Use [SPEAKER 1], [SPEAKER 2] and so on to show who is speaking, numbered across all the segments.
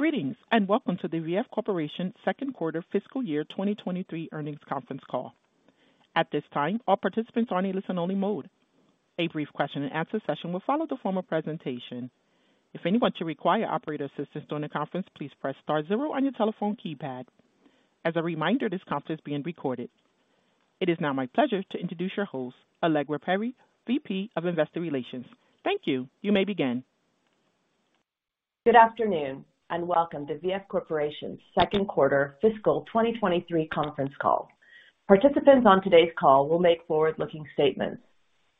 [SPEAKER 1] Greetings, and welcome to the VF Corporation Second Quarter fiscal year 2023 Earnings Conference Call. At this time, all participants are in listen-only mode. A brief question-and-answer session will follow the formal presentation. If anyone should require operator assistance during the conference, please press star zero on your telephone keypad. As a reminder, this conference is being recorded. It is now my pleasure to introduce your host, Allegra Perry, VP of Investor Relations. Thank you. You may begin.
[SPEAKER 2] Good afternoon, and welcome to VF Corporation Second Quarter fiscal 2023 Conference Call. Participants on today's call will make forward-looking statements.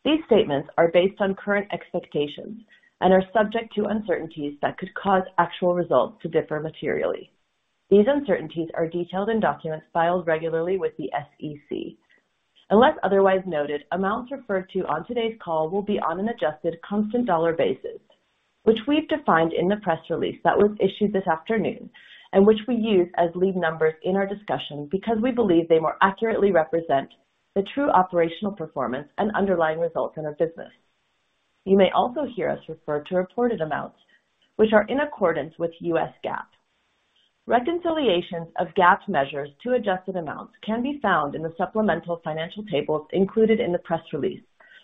[SPEAKER 2] These statements are based on current expectations and are subject to uncertainties that could cause actual results to differ materially. These uncertainties are detailed in documents filed regularly with the SEC. Unless otherwise noted, amounts referred to on today's call will be on an adjusted constant dollar basis, which we've defined in the press release that was issued this afternoon and which we use as lead numbers in our discussion because we believe they more accurately represent the true operational performance and underlying results in our business. You may also hear us refer to reported amounts which are in accordance with U.S. GAAP. Reconciliations of GAAP measures to adjusted amounts can be found in the supplemental financial tables included in the press release,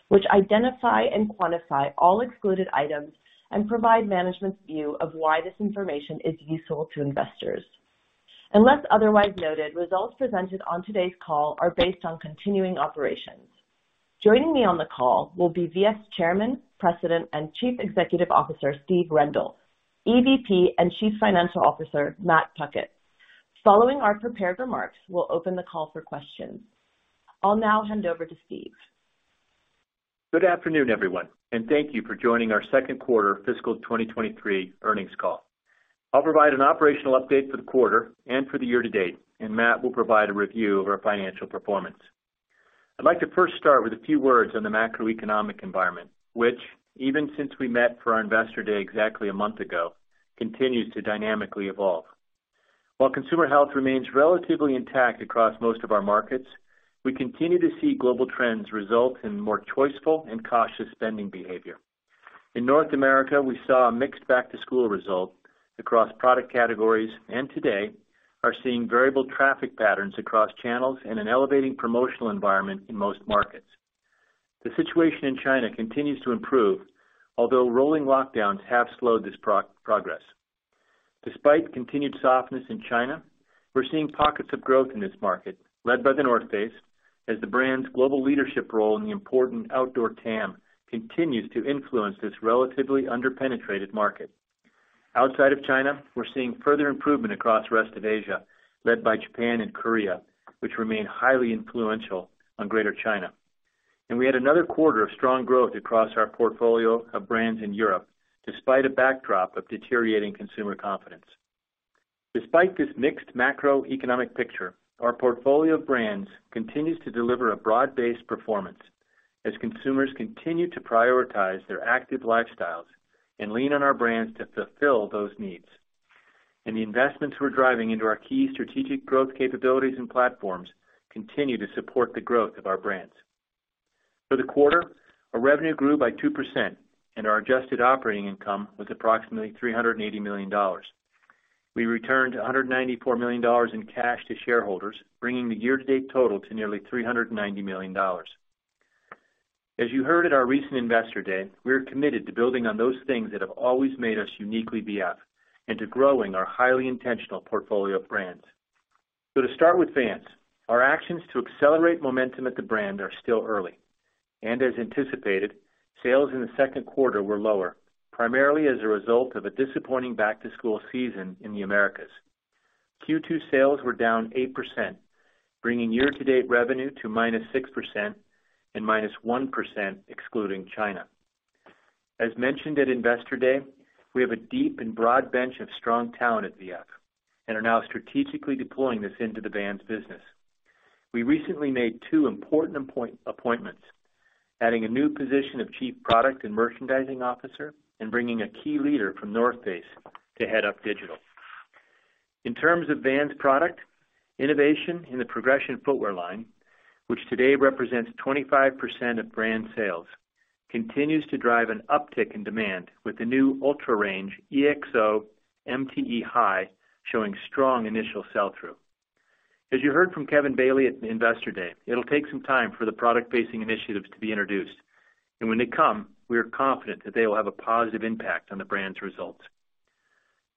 [SPEAKER 2] which identify and quantify all excluded items and provide management's view of why this information is useful to investors. Unless otherwise noted, results presented on today's call are based on continuing operations. Joining me on the call will be VF's Chairman, President, and Chief Executive Officer, Steve Rendle; EVP, and Chief Financial Officer, Matt Puckett. Following our prepared remarks, we'll open the call for questions. I'll now hand over to Steve.
[SPEAKER 3] Good afternoon, everyone, and thank you for joining our Second Quarter fiscal 2023 Earnings Call. I'll provide an operational update for the quarter and for the year to date, and Matt will provide a review of our financial performance. I'd like to first start with a few words on the macroeconomic environment, which even since we met for our Investor Day exactly a month ago, continues to dynamically evolve. While consumer health remains relatively intact across most of our markets, we continue to see global trends result in more choiceful and cautious spending behavior. In North America, we saw a mixed back-to-school result across product categories, and today are seeing variable traffic patterns across channels and an elevating promotional environment in most markets. The situation in China continues to improve, although rolling lockdowns have slowed this progress. Despite continued softness in China, we're seeing pockets of growth in this market led by The North Face as the brand's global leadership role in the important outdoor TAM continues to influence this relatively under-penetrated market. Outside of China, we're seeing further improvement across rest of Asia, led by Japan and Korea, which remain highly influential on Greater China. We had another quarter of strong growth across our portfolio of brands in Europe, despite a backdrop of deteriorating consumer confidence. Despite this mixed macroeconomic picture, our portfolio of brands continues to deliver a broad-based performance as consumers continue to prioritize their active lifestyles and lean on our brands to fulfill those needs. The investments we're driving into our key strategic growth capabilities and platforms continue to support the growth of our brands. For the quarter, our revenue grew by 2% and our adjusted operating income was approximately $380 million. We returned $194 million in cash to shareholders, bringing the year-to-date total to nearly $390 million. As you heard at our recent Investor Day, we are committed to building on those things that have always made us uniquely VF and to growing our highly intentional portfolio of brands. To start with Vans, our actions to accelerate momentum at the brand are still early and as anticipated, sales in the second quarter were lower, primarily as a result of a disappointing back-to-school season in the Americas. Q2 sales were down 8%, bringing year-to-date revenue to -6% and -1% excluding China. As mentioned at Investor Day, we have a deep and broad bench of strong talent at VF and are now strategically deploying this into the Vans business. We recently made two important appointments, adding a new position of Chief Product and Merchandising Officer and bringing a key leader from The North Face to head up digital. In terms of Vans product, innovation in the Progression Footwear line, which today represents 25% of brand sales, continues to drive an uptick in demand with the new UltraRange EXO MTE Hi showing strong initial sell-through. As you heard from Kevin Bailey at the Investor Day, it'll take some time for the product-facing initiatives to be introduced, and when they come, we are confident that they will have a positive impact on the brand's results.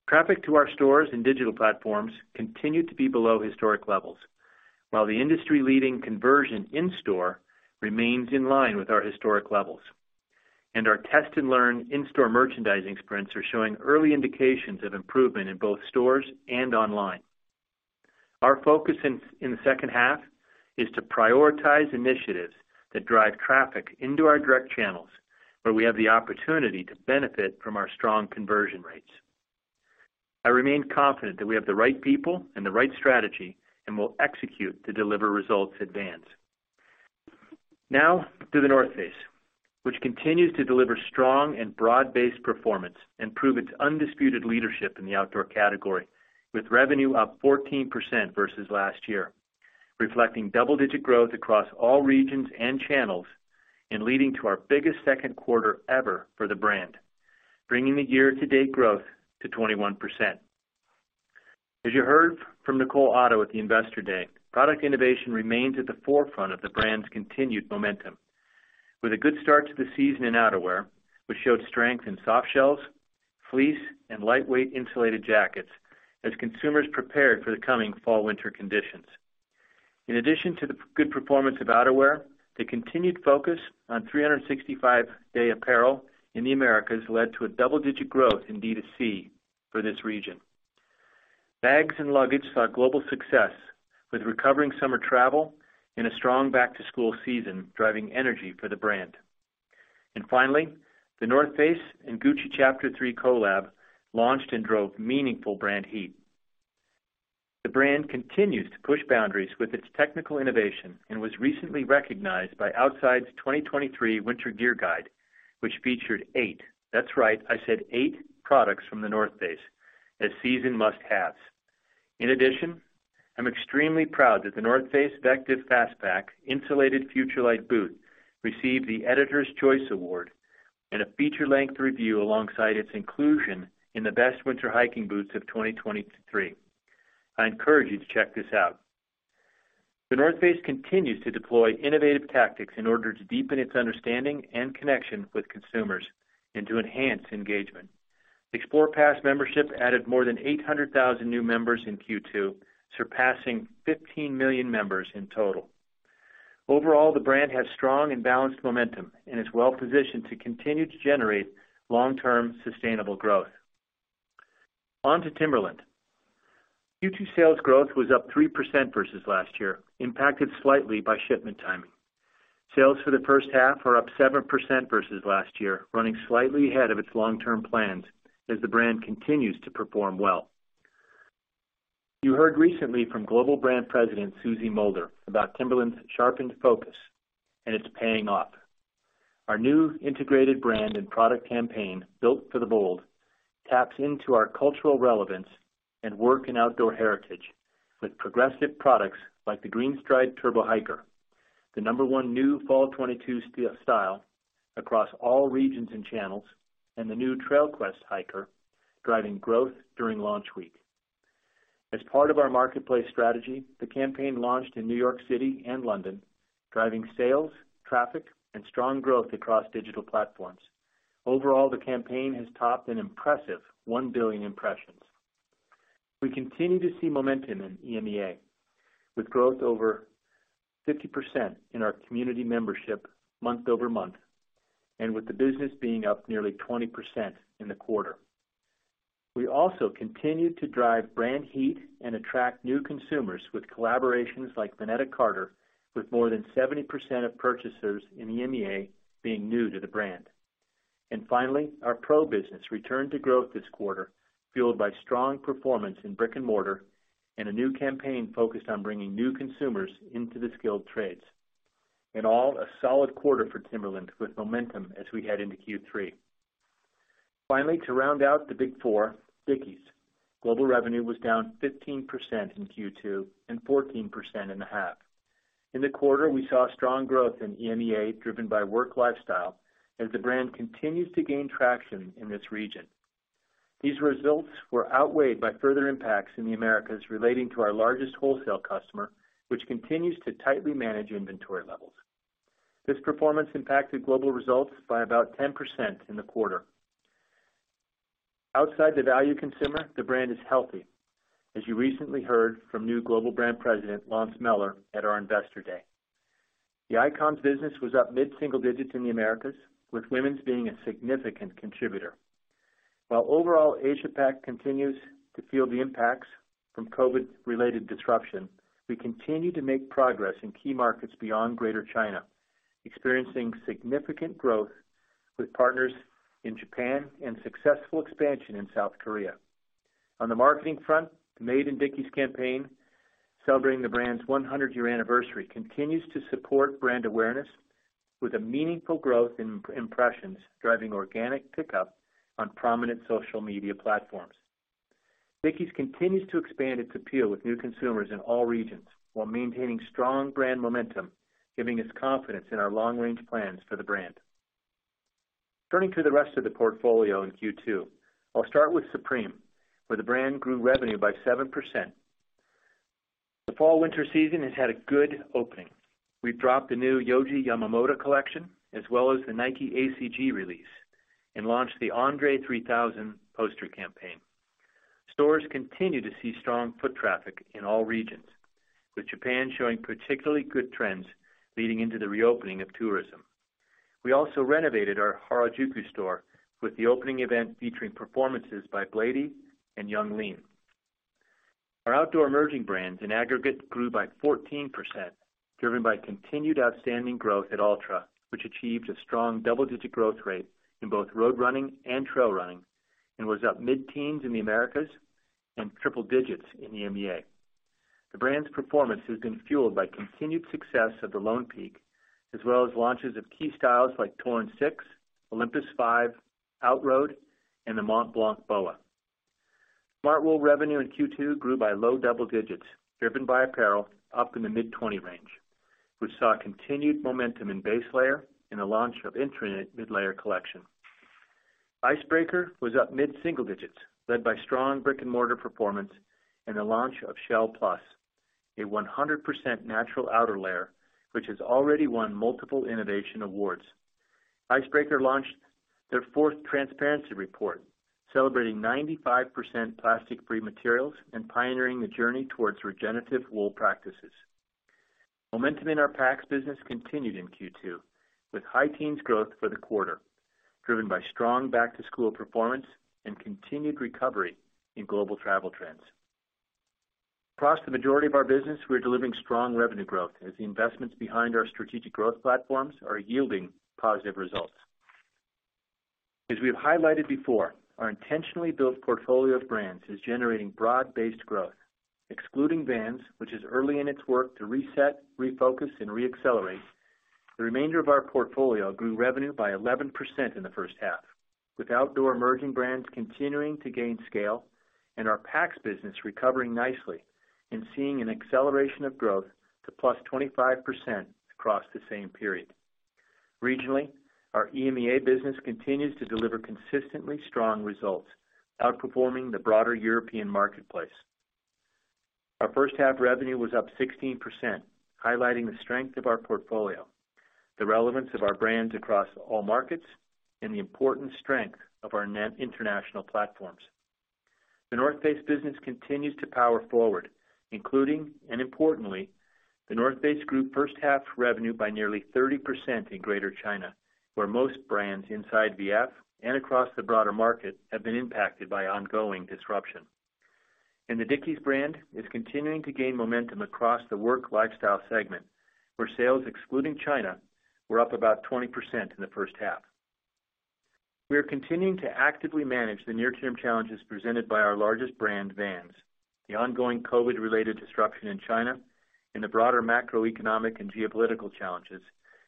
[SPEAKER 3] Traffic to our stores and digital platforms continued to be below historic levels, while the industry-leading conversion in store remains in line with our historic levels. Our test-and-learn in-store merchandising sprints are showing early indications of improvement in both stores and online. Our focus in the second half is to prioritize initiatives that drive traffic into our direct channels, where we have the opportunity to benefit from our strong conversion rates. I remain confident that we have the right people and the right strategy and will execute to deliver results at Vans. Now to The North Face, which continues to deliver strong and broad-based performance and prove its undisputed leadership in the outdoor category with revenue up 14% versus last year. Reflecting double-digit growth across all regions and channels and leading to our biggest second quarter ever for the brand, bringing the year-to-date growth to 21%. As you heard from Nicole Otto at the Investor Day, product innovation remains at the forefront of the brand's continued momentum. With a good start to the season in outerwear, which showed strength in soft shells, fleece, and lightweight insulated jackets as consumers prepared for the coming fall/winter conditions. In addition to the good performance of outerwear, the continued focus on 365-day apparel in the Americas led to double-digit growth in D2C for this region. Bags and luggage saw global success with recovering summer travel and a strong back-to-school season driving energy for the brand. Finally, The North Face and Gucci Chapter 3 collab launched and drove meaningful brand heat. The brand continues to push boundaries with its technical innovation and was recently recognized by Outside's 2023 Winter Gear Guide, which featured eight, that's right, I said eight products from The North Face as season must-haves. In addition, I'm extremely proud that The North Face VECTIV Fastpack Insulated FUTURELIGHT Boot received the Editor's Choice Award and a feature-length review alongside its inclusion in the best winter hiking boots of 2023. I encourage you to check this out. The North Face continues to deploy innovative tactics in order to deepen its understanding and connection with consumers and to enhance engagement. XPLR Pass membership added more than 800,000 new members in Q2, surpassing 15 million members in total. Overall, the brand has strong and balanced momentum and is well-positioned to continue to generate long-term sustainable growth. On to Timberland. Q2 sales growth was up 3% versus last year, impacted slightly by shipment timing. Sales for the first half are up 7% versus last year, running slightly ahead of its long-term plans as the brand continues to perform well. You heard recently from Global Brand President Susie Mulder about Timberland's sharpened focus, and it's paying off. Our new integrated brand and product campaign, Built for the Bold, taps into our cultural relevance and work and outdoor heritage with progressive products like the Greenstride Turbo Hiker, the number one new fall 2022 style across all regions and channels, and the new Trailquest Hiker, driving growth during launch week. As part of our marketplace strategy, the campaign launched in New York City and London, driving sales, traffic, and strong growth across digital platforms. Overall, the campaign has topped an impressive 1 billion impressions. We continue to see momentum in EMEA, with growth over 50% in our community membership month-over-month, and with the business being up nearly 20% in the quarter. We also continued to drive brand heat and attract new consumers with collaborations like Veneda Carter, with more than 70% of purchasers in EMEA being new to the brand. Finally, our pro business returned to growth this quarter, fueled by strong performance in brick and mortar and a new campaign focused on bringing new consumers into the skilled trades. In all, a solid quarter for Timberland with momentum as we head into Q3. Finally, to round out the big four, Dickies. Global revenue was down 15% in Q2 and 14% in the half. In the quarter, we saw strong growth in EMEA, driven by work lifestyle as the brand continues to gain traction in this region. These results were outweighed by further impacts in the Americas relating to our largest wholesale customer, which continues to tightly manage inventory levels. This performance impacted global results by about 10% in the quarter. Outside the value consumer, the brand is healthy, as you recently heard from new Global Brand President, Lance Miller, at our Investor Day. The Icon's business was up mid-single digits in the Americas, with women's being a significant contributor. While overall Asia Pac continues to feel the impacts from COVID-related disruption, we continue to make progress in key markets beyond Greater China, experiencing significant growth with partners in Japan and successful expansion in South Korea. On the marketing front, Made in Dickies campaign, celebrating the brand's 100-year anniversary, continues to support brand awareness with a meaningful growth in impressions driving organic pickup on prominent social media platforms. Dickies continues to expand its appeal with new consumers in all regions while maintaining strong brand momentum, giving us confidence in our long-range plans for the brand. Turning to the rest of the portfolio in Q2. I'll start with Supreme, where the brand grew revenue by 7%. The fall/winter season has had a good opening. We've dropped the new Yohji Yamamoto collection as well as the Nike ACG release and launched the André 3000 poster campaign. Stores continue to see strong foot traffic in all regions, with Japan showing particularly good trends leading into the reopening of tourism. We also renovated our Harajuku store with the opening event featuring performances by Bladee and Yung Lean. Our outdoor emerging brands in aggregate grew by 14%, driven by continued outstanding growth at Altra, which achieved a strong double-digit growth rate in both road running and trail running, and was up mid-teens in the Americas and triple digits in EMEA. The brand's performance has been fueled by continued success of the Lone Peak, as well as launches of key styles like Torin 6, Olympus 5, Outroad, and the Mont Blanc BOA. Smartwool revenue in Q2 grew by low double digits, driven by apparel up in the mid-20 range. We saw continued momentum in base layer and the launch of Intraknit mid-layer collection. Icebreaker was up mid-single digits, led by strong brick-and-mortar performance and the launch of Shell Plus, a 100% natural outer layer, which has already won multiple innovation awards. Icebreaker launched their fourth transparency report, celebrating 95% plastic-free materials and pioneering a journey towards regenerative wool practices. Momentum in our packs business continued in Q2, with high teens growth for the quarter, driven by strong back-to-school performance and continued recovery in global travel trends. Across the majority of our business, we are delivering strong revenue growth as the investments behind our strategic growth platforms are yielding positive results. As we have highlighted before, our intentionally built portfolio of brands is generating broad-based growth, excluding Vans, which is early in its work to reset, refocus, and re-accelerate. The remainder of our portfolio grew revenue by 11% in the first half, with outdoor emerging brands continuing to gain scale and our packs business recovering nicely and seeing an acceleration of growth to +25% across the same period. Regionally, our EMEA business continues to deliver consistently strong results, outperforming the broader European marketplace. Our first half revenue was up 16%, highlighting the strength of our portfolio, the relevance of our brands across all markets, and the important strength of our DTC international platforms. The North Face business continues to power forward, including, and importantly, The North Face grew first half revenue by nearly 30% in Greater China, where most brands inside VF and across the broader market have been impacted by ongoing disruption. The Dickies brand is continuing to gain momentum across the work lifestyle segment, where sales excluding China were up about 20% in the first half. We are continuing to actively manage the near-term challenges presented by our largest brand, Vans, the ongoing COVID-related disruption in China, and the broader macroeconomic and geopolitical challenges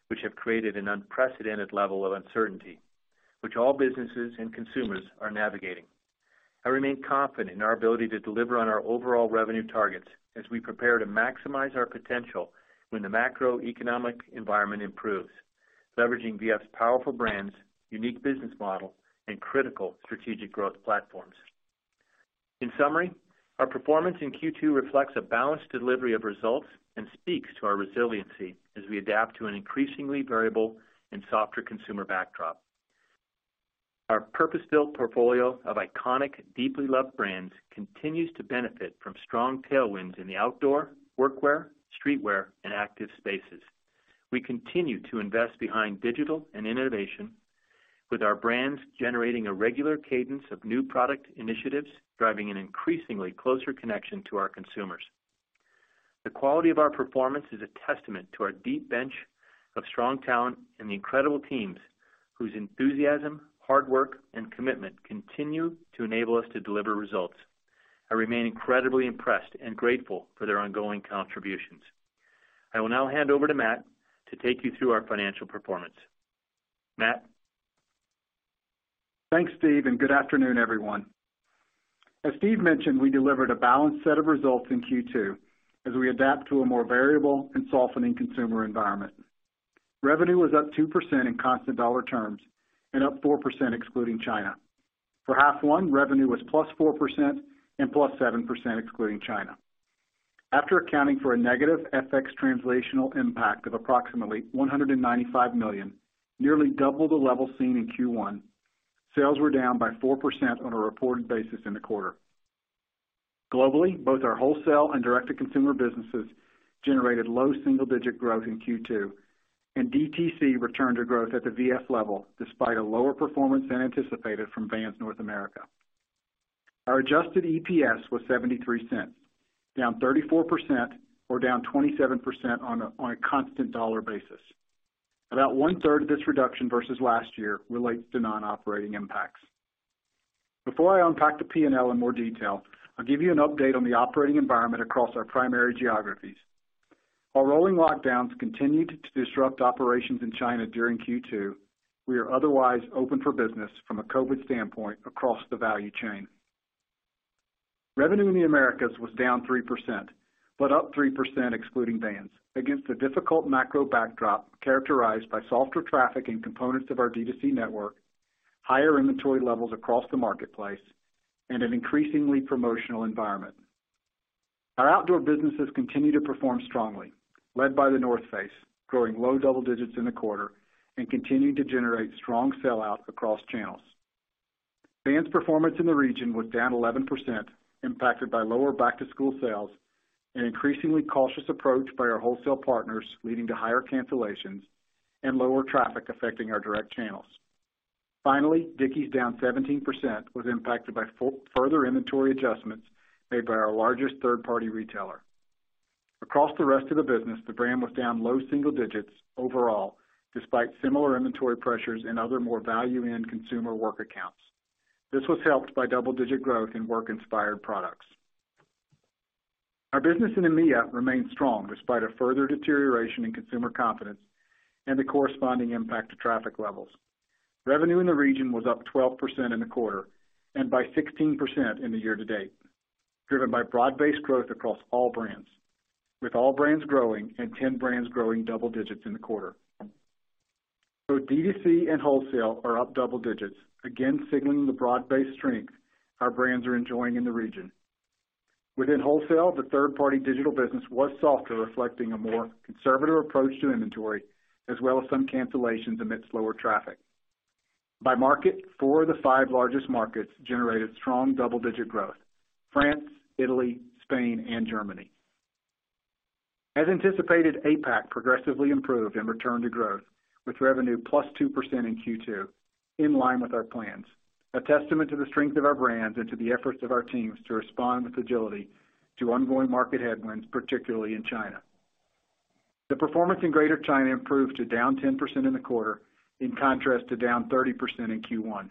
[SPEAKER 3] which have created an unprecedented level of uncertainty which all businesses and consumers are navigating. I remain confident in our ability to deliver on our overall revenue targets as we prepare to maximize our potential when the macroeconomic environment improves, leveraging VF's powerful brands, unique business model, and critical strategic growth platforms. In summary, our performance in Q2 reflects a balanced delivery of results and speaks to our resiliency as we adapt to an increasingly variable and softer consumer backdrop. Our purpose-built portfolio of iconic, deeply loved brands continues to benefit from strong tailwinds in the outdoor, workwear, streetwear, and active spaces. We continue to invest behind digital and innovation, with our brands generating a regular cadence of new product initiatives, driving an increasingly closer connection to our consumers. The quality of our performance is a testament to our deep bench of strong talent and the incredible teams whose enthusiasm, hard work, and commitment continue to enable us to deliver results. I remain incredibly impressed and grateful for their ongoing contributions. I will now hand over to Matt to take you through our financial performance. Matt?
[SPEAKER 4] Thanks, Steve, and good afternoon, everyone. As Steve mentioned, we delivered a balanced set of results in Q2 as we adapt to a more variable and softening consumer environment. Revenue was up 2% in constant dollar terms and up 4% excluding China. For first half, revenue was +4% and +7% excluding China. After accounting for a negative FX translational impact of approximately $195 million, nearly double the level seen in Q1, sales were down by 4% on a reported basis in the quarter. Globally, both our wholesale and direct-to-consumer businesses generated low single-digit growth in Q2, and DTC returned to growth at the VF level, despite a lower performance than anticipated from Vans North America. Our adjusted EPS was $0.73, down 34% or down 27% on a constant dollar basis. About 1/3 of this reduction versus last year relates to non-operating impacts. Before I unpack the P&L in more detail, I'll give you an update on the operating environment across our primary geographies. While rolling lockdowns continued to disrupt operations in China during Q2, we are otherwise open for business from a COVID standpoint across the value chain. Revenue in the Americas was down 3%, but up 3% excluding Vans, against a difficult macro backdrop characterized by softer traffic and components of our D2C network, higher inventory levels across the marketplace, and an increasingly promotional environment. Our outdoor businesses continue to perform strongly, led by The North Face, growing low double digits% in the quarter and continuing to generate strong sell-out across channels. Vans' performance in the region was down 11%, impacted by lower back-to-school sales and increasingly cautious approach by our wholesale partners, leading to higher cancellations and lower traffic affecting our direct channels. Finally, Dickies, down 17%, was impacted by further inventory adjustments made by our largest third-party retailer. Across the rest of the business, the brand was down low single digits overall, despite similar inventory pressures in other more value-end consumer work accounts. This was helped by double-digit growth in work-inspired products. Our business in EMEA remains strong despite a further deterioration in consumer confidence and the corresponding impact to traffic levels. Revenue in the region was up 12% in the quarter, and by 16% in the year-to-date, driven by broad-based growth across all brands, with all brands growing and 10 brands growing double digits in the quarter. Both D2C and wholesale are up double digits, again signaling the broad-based strength our brands are enjoying in the region. Within wholesale, the third-party digital business was softer, reflecting a more conservative approach to inventory, as well as some cancellations amidst lower traffic. By market, four of the five largest markets generated strong double-digit growth, France, Italy, Spain, and Germany. As anticipated, APAC progressively improved and returned to growth, with revenue plus 2% in Q2, in line with our plans, a testament to the strength of our brands and to the efforts of our teams to respond with agility to ongoing market headwinds, particularly in China. The performance in Greater China improved to down 10% in the quarter, in contrast to down 30% in Q1,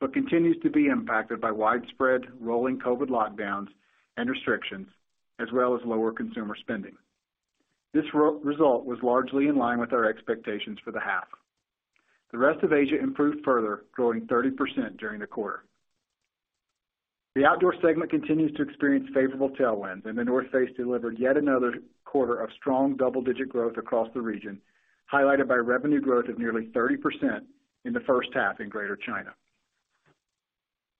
[SPEAKER 4] but continues to be impacted by widespread rolling COVID lockdowns and restrictions, as well as lower consumer spending. This result was largely in line with our expectations for the half. The rest of Asia improved further, growing 30% during the quarter. The outdoor segment continues to experience favorable tailwinds, and The North Face delivered yet another quarter of strong double-digit growth across the region, highlighted by revenue growth of nearly 30% in the first half in Greater China.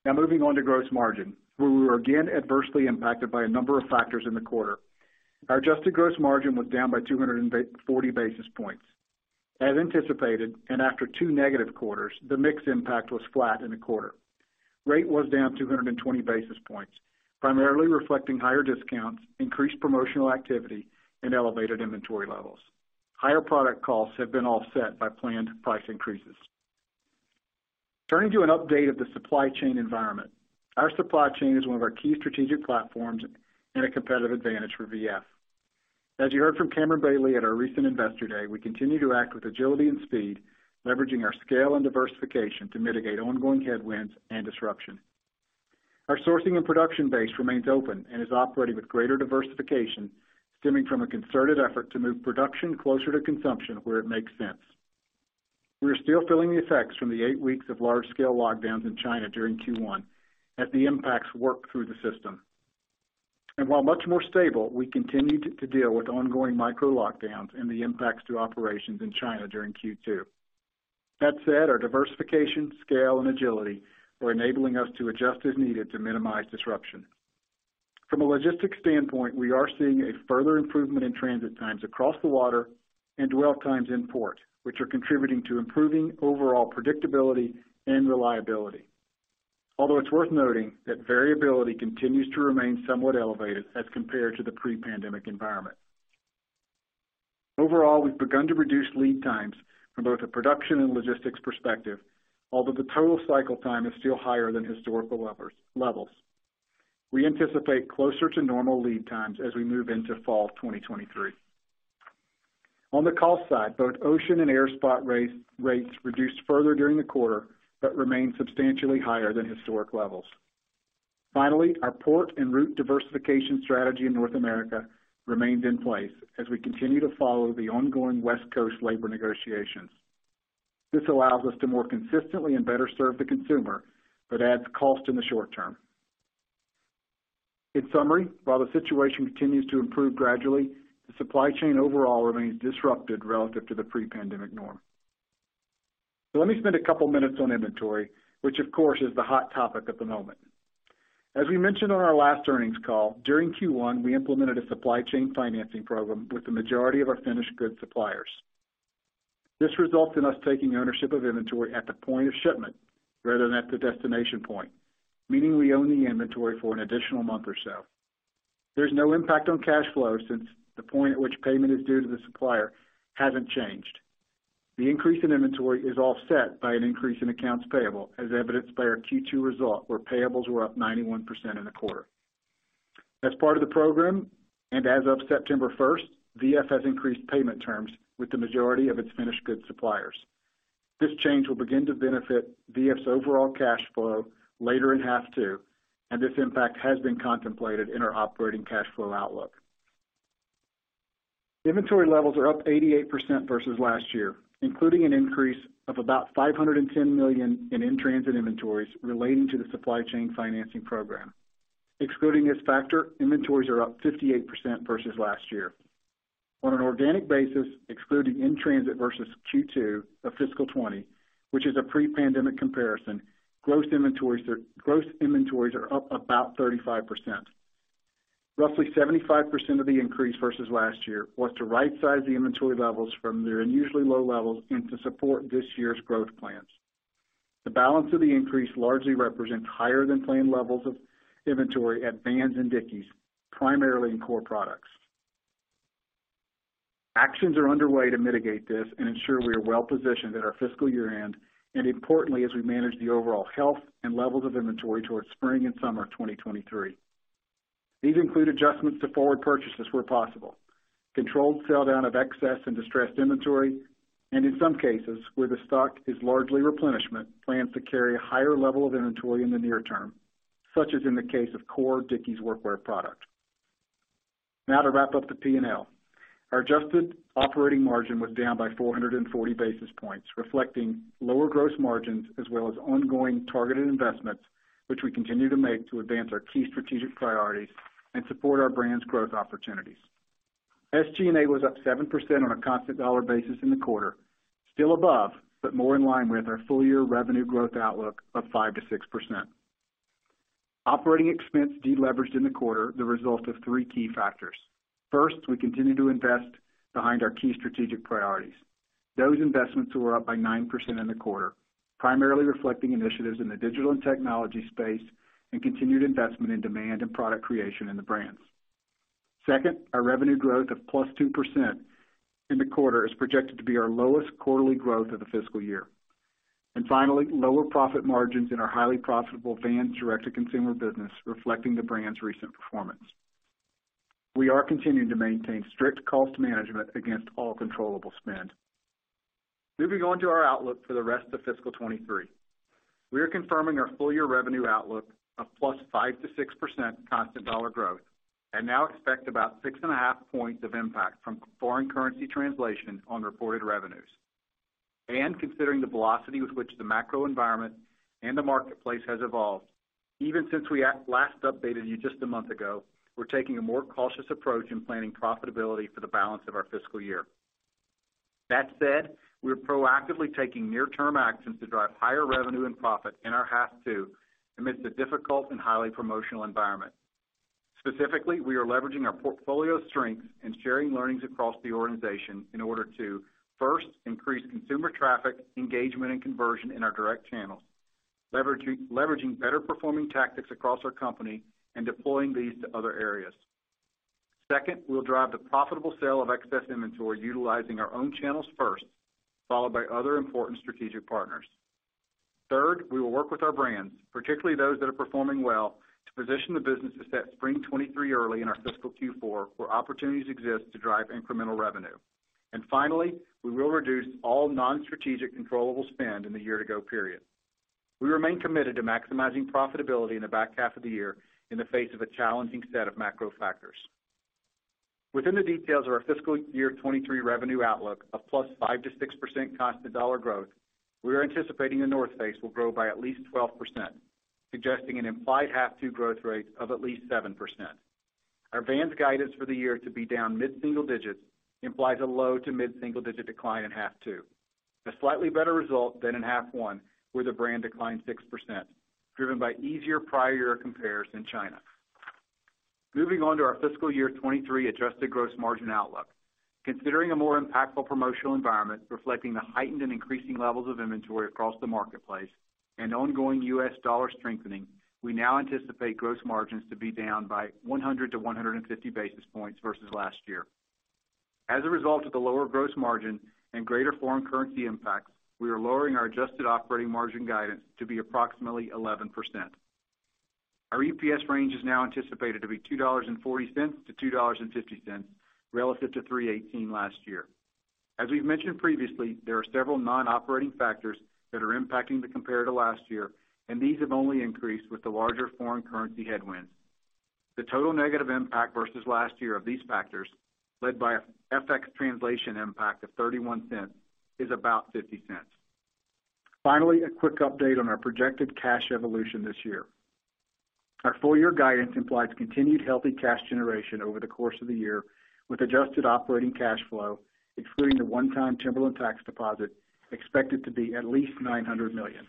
[SPEAKER 4] Now moving on to gross margin, where we were again adversely impacted by a number of factors in the quarter. Our adjusted gross margin was down by 240 basis points. As anticipated, after two negative quarters, the mix impact was flat in the quarter. Rate was down 220 basis points, primarily reflecting higher discounts, increased promotional activity, and elevated inventory levels. Higher product costs have been offset by planned price increases. Turning to an update of the supply chain environment. Our supply chain is one of our key strategic platforms and a competitive advantage for VF. As you heard from Cameron Bailey at our recent Investor Day, we continue to act with agility and speed, leveraging our scale and diversification to mitigate ongoing headwinds and disruption. Our sourcing and production base remains open and is operating with greater diversification stemming from a concerted effort to move production closer to consumption where it makes sense. We are still feeling the effects from the eight weeks of large-scale lockdowns in China during Q1 as the impacts work through the system. While much more stable, we continued to deal with ongoing micro lockdowns and the impacts to operations in China during Q2. That said, our diversification, scale, and agility were enabling us to adjust as needed to minimize disruption. From a logistics standpoint, we are seeing a further improvement in transit times across the water and dwell times in port, which are contributing to improving overall predictability and reliability. Although it's worth noting that variability continues to remain somewhat elevated as compared to the pre-pandemic environment. Overall, we've begun to reduce lead times from both a production and logistics perspective, although the total cycle time is still higher than historical levels. We anticipate closer to normal lead times as we move into fall 2023. On the cost side, both ocean and air spot rates reduced further during the quarter, but remain substantially higher than historic levels. Finally, our port and route diversification strategy in North America remains in place as we continue to follow the ongoing West Coast labor negotiations. This allows us to more consistently and better serve the consumer, but adds cost in the short term. In summary, while the situation continues to improve gradually, the supply chain overall remains disrupted relative to the pre-pandemic norm. Let me spend a couple minutes on inventory, which of course is the hot topic at the moment. As we mentioned on our last earnings call, during Q1, we implemented a supply chain financing program with the majority of our finished goods suppliers. This results in us taking ownership of inventory at the point of shipment rather than at the destination point, meaning we own the inventory for an additional month or so. There's no impact on cash flow since the point at which payment is due to the supplier hasn't changed. The increase in inventory is offset by an increase in accounts payable, as evidenced by our Q2 result, where payables were up 91% in the quarter. As part of the program, as of September 1st, VF has increased payment terms with the majority of its finished goods suppliers. This change will begin to benefit VF's overall cash flow later in half two, and this impact has been contemplated in our operating cash flow outlook. Inventory levels are up 88% versus last year, including an increase of about $510 million in in-transit inventories relating to the supply chain financing program. Excluding this factor, inventories are up 58% versus last year. On an organic basis, excluding in-transit versus Q2 of fiscal 2020, which is a pre-pandemic comparison, gross inventories are up about 35%. Roughly 75% of the increase versus last year was to right size the inventory levels from their unusually low levels and to support this year's growth plans. The balance of the increase largely represents higher than planned levels of inventory at Vans and Dickies, primarily in core products. Actions are underway to mitigate this and ensure we are well positioned at our fiscal year-end, and importantly, as we manage the overall health and levels of inventory towards spring and summer 2023. These include adjustments to forward purchases where possible, controlled sell down of excess and distressed inventory, and in some cases, where the stock is largely replenishment, plans to carry a higher level of inventory in the near term, such as in the case of core Dickies workwear product. Now to wrap up the P&L. Our adjusted operating margin was down by 440 basis points, reflecting lower gross margins as well as ongoing targeted investments which we continue to make to advance our key strategic priorities and support our brands' growth opportunities. SG&A was up 7% on a constant dollar basis in the quarter. Still above, but more in line with our full year revenue growth outlook of 5%-6%. Operating expense deleveraged in the quarter, the result of three key factors. First, we continue to invest behind our key strategic priorities. Those investments were up by 9% in the quarter, primarily reflecting initiatives in the digital and technology space and continued investment in demand and product creation in the brands. Second, our revenue growth of +2% in the quarter is projected to be our lowest quarterly growth of the fiscal year. Finally, lower profit margins in our highly profitable Vans direct-to-consumer business, reflecting the brand's recent performance. We are continuing to maintain strict cost management against all controllable spend. Moving on to our outlook for the rest of fiscal 2023. We are confirming our full year revenue outlook of +5%-6% constant dollar growth, and now expect about 6.5 points of impact from foreign currency translation on reported revenues. Considering the velocity with which the macro environment and the marketplace has evolved, even since we at last updated you just a month ago, we're taking a more cautious approach in planning profitability for the balance of our fiscal year. That said, we're proactively taking near-term actions to drive higher revenue and profit in our half two amidst a difficult and highly promotional environment. Specifically, we are leveraging our portfolio strengths and sharing learnings across the organization in order to, first, increase consumer traffic, engagement, and conversion in our direct channels. Leveraging better performing tactics across our company and deploying these to other areas. Second, we'll drive the profitable sale of excess inventory utilizing our own channels first, followed by other important strategic partners. Third, we will work with our brands, particularly those that are performing well, to position the businesses that Spring 2023 early in our fiscal Q4, where opportunities exist to drive incremental revenue. Finally, we will reduce all non-strategic controllable spend in the year-to-go period. We remain committed to maximizing profitability in the back half of the year in the face of a challenging set of macro factors. Within the details of our fiscal year 2023 revenue outlook of +5%-6% constant dollar growth, we are anticipating The North Face will grow by at least 12%, suggesting an implied half two growth rate of at least 7%. Our Vans guidance for the year to be down mid-single digits implies a low- to mid-single-digit decline in half two. A slightly better result than in half one, where the brand declined 6%, driven by easier prior year compares in China. Moving on to our fiscal year 2023 adjusted gross margin outlook. Considering a more impactful promotional environment reflecting the heightened and increasing levels of inventory across the marketplace and ongoing U.S. dollar strengthening, we now anticipate gross margins to be down by 100-150 basis points versus last year. As a result of the lower gross margin and greater foreign currency impacts, we are lowering our adjusted operating margin guidance to be approximately 11%. Our EPS range is now anticipated to be $2.40-$2.50 relative to $3.18 last year. We've mentioned previously, there are several non-operating factors that are impacting the compare to last year, and these have only increased with the larger foreign currency headwinds. The total negative impact versus last year of these factors, led by a FX translation impact of $0.31, is about $0.50. Finally, a quick update on our projected cash evolution this year. Our full year guidance implies continued healthy cash generation over the course of the year, with adjusted operating cash flow, excluding the one-time Timberland tax deposit, expected to be at least $900 million.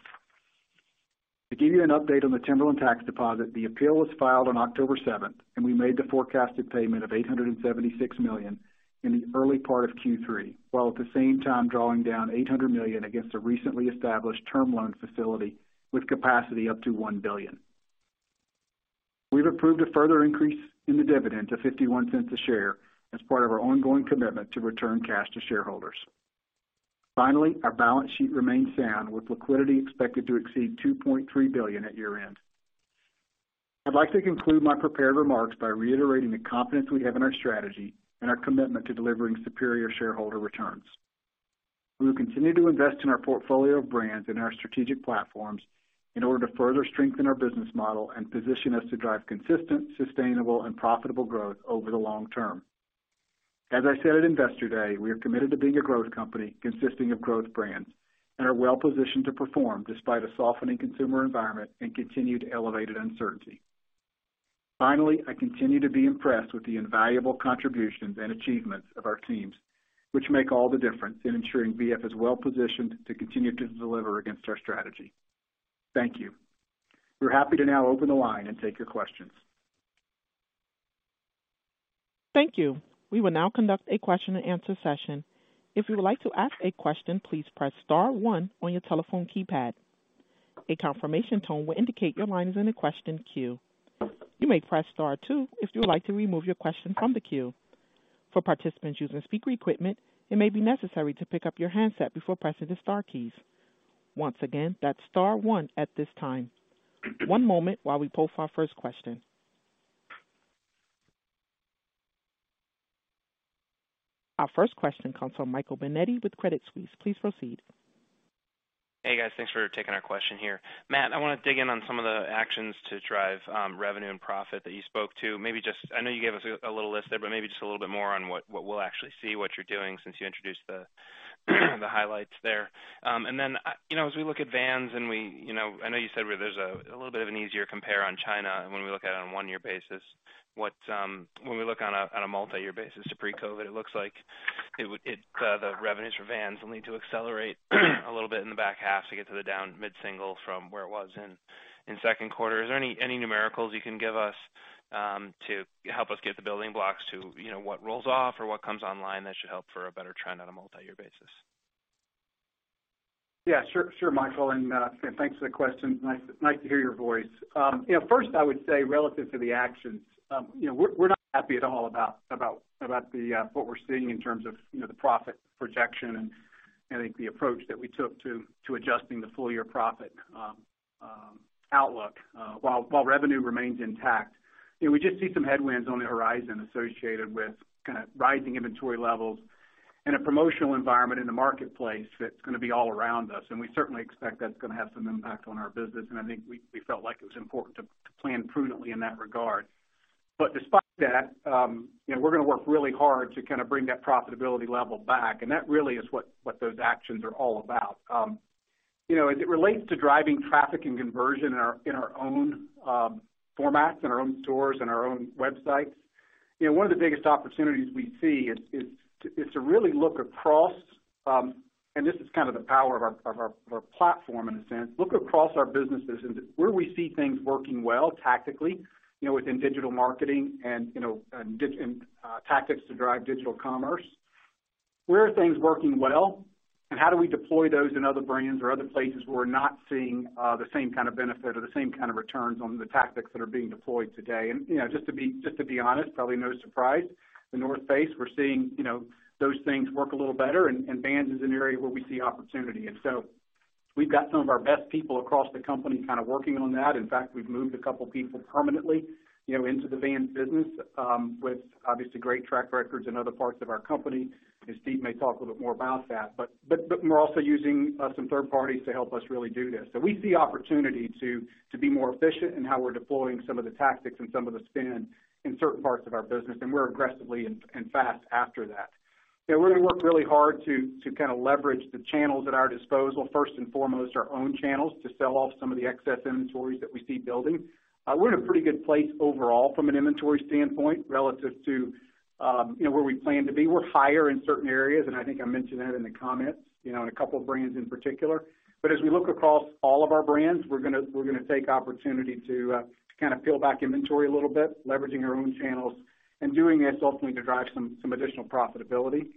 [SPEAKER 4] To give you an update on the Timberland tax deposit, the appeal was filed on October seventh, and we made the forecasted payment of $876 million in the early part of Q3, while at the same time drawing down $800 million against a recently established term loan facility with capacity up to $1 billion. We've approved a further increase in the dividend to $0.51 a share as part of our ongoing commitment to return cash to shareholders. Finally, our balance sheet remains sound, with liquidity expected to exceed $2.3 billion at year-end. I'd like to conclude my prepared remarks by reiterating the confidence we have in our strategy and our commitment to delivering superior shareholder returns. We will continue to invest in our portfolio of brands and our strategic platforms in order to further strengthen our business model and position us to drive consistent, sustainable, and profitable growth over the long term. As I said at Investor Day, we are committed to being a growth company consisting of growth brands and are well positioned to perform despite a softening consumer environment and continued elevated uncertainty. Finally, I continue to be impressed with the invaluable contributions and achievements of our teams, which make all the difference in ensuring VF is well positioned to continue to deliver against our strategy. Thank you. We're happy to now open the line and take your questions.
[SPEAKER 1] Thank you. We will now conduct a question and answer session. If you would like to ask a question, please press star one on your telephone keypad. A confirmation tone will indicate your line is in the question queue. You may press star two if you would like to remove your question from the queue. For participants using speaker equipment, it may be necessary to pick up your handset before pressing the star keys. Once again, that's star one at this time. One moment while we post our first question. Our first question comes from Michael Binetti with Credit Suisse. Please proceed.
[SPEAKER 5] Hey, guys. Thanks for taking our question here. Matt, I wanna dig in on some of the actions to drive revenue and profit that you spoke to. I know you gave us a little list there, but maybe just a little bit more on what we'll actually see you're doing since you introduced the highlights there. You know, as we look at Vans and we, you know, I know you said where there's a little bit of an easier compare on China, and when we look at it on a one-year basis, when we look on a multi-year basis to pre-COVID, it looks like the revenues for Vans will need to accelerate a little bit in the back half to get to the down mid-single from where it was in second quarter. Is there any numericals you can give us to help us get the building blocks to, you know, what rolls off or what comes online that should help for a better trend on a multi-year basis?
[SPEAKER 4] Yeah. Sure, Michael, and thanks for the question. Nice to hear your voice. You know, first I would say relative to the actions, you know, we're not happy at all about what we're seeing in terms of the profit projection and, I think the approach that we took to adjusting the full year profit outlook while revenue remains intact. You know, we just see some headwinds on the horizon associated with kinda rising inventory levels and a promotional environment in the marketplace that's gonna be all around us, and we certainly expect that's gonna have some impact on our business. I think we felt like it was important to plan prudently in that regard. Despite that, you know, we're gonna work really hard to kinda bring that profitability level back, and that really is what those actions are all about. You know, as it relates to driving traffic and conversion in our own formats, in our own stores and our own websites, you know, one of the biggest opportunities we see is to really look across. This is kind of the power of our platform in a sense, look across our businesses and where we see things working well tactically, you know, within digital marketing and, you know, tactics to drive digital commerce. Where are things working well, and how do we deploy those in other brands or other places where we're not seeing the same kind of benefit or the same kind of returns on the tactics that are being deployed today? Just to be honest, probably no surprise. The North Face, we're seeing those things work a little better and Vans is an area where we see opportunity. We've got some of our best people across the company kinda working on that. In fact, we've moved a couple people permanently into the Vans business with obviously great track records in other parts of our company, as Steve may talk a little bit more about that. We're also using some third parties to help us really do this. We see opportunity to be more efficient in how we're deploying some of the tactics and some of the spend in certain parts of our business, and we're aggressively and fast after that. You know, we're gonna work really hard to kinda leverage the channels at our disposal, first and foremost, our own channels, to sell off some of the excess inventories that we see building. We're in a pretty good place overall from an inventory standpoint relative to, you know, where we plan to be. We're higher in certain areas, and I think I mentioned that in the comments, you know, in a couple of brands in particular. As we look across all of our brands, we're gonna take opportunity to kinda peel back inventory a little bit, leveraging our own channels, and doing this ultimately to drive some additional profitability.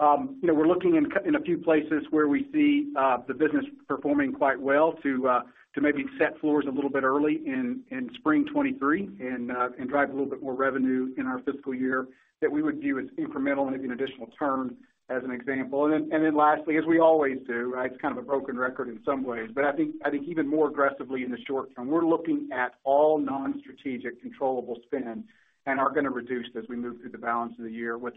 [SPEAKER 4] You know, we're looking in a few places where we see the business performing quite well to maybe set floors a little bit early in spring 2023 and drive a little bit more revenue in our fiscal year that we would view as incremental and maybe an additional term, as an example. Then lastly, as we always do, right? It's kind of a broken record in some ways, but I think even more aggressively in the short term, we're looking at all non-strategic controllable spend and are gonna reduce as we move through the balance of the year with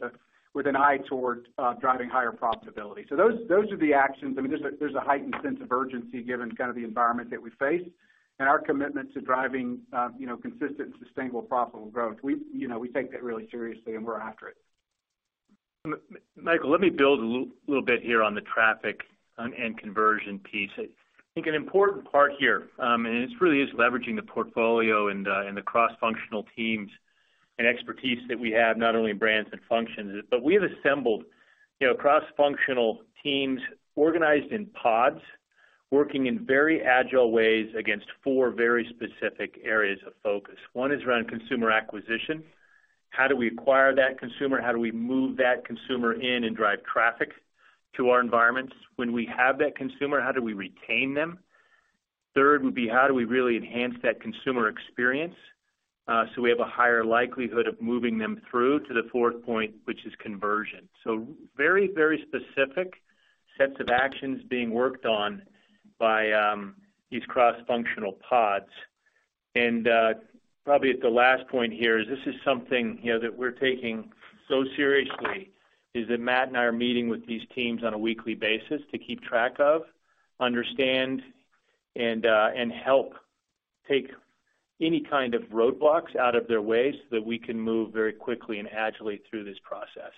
[SPEAKER 4] an eye towards driving higher profitability. Those are the actions. I mean, there's a heightened sense of urgency given kind of the environment that we face and our commitment to driving, you know, consistent and sustainable profitable growth. We, you know, take that really seriously, and we're after it.
[SPEAKER 3] Michael, let me build a little bit here on the traffic and conversion piece. I think an important part here, and it really is leveraging the portfolio and the cross-functional teams and expertise that we have, not only in brands and functions, but we have assembled, you know, cross-functional teams organized in pods, working in very agile ways against four very specific areas of focus. One is around consumer acquisition. How do we acquire that consumer? How do we move that consumer in and drive traffic to our environments? When we have that consumer, how do we retain them? Third would be, how do we really enhance that consumer experience, so we have a higher likelihood of moving them through to the fourth point, which is conversion. Very, very specific sets of actions being worked on by these cross-functional pods. Probably at the last point here is this is something, you know, that we're taking so seriously is that Matt and I are meeting with these teams on a weekly basis to keep track of, understand and help take any kind of roadblocks out of their way so that we can move very quickly and agilely through this process.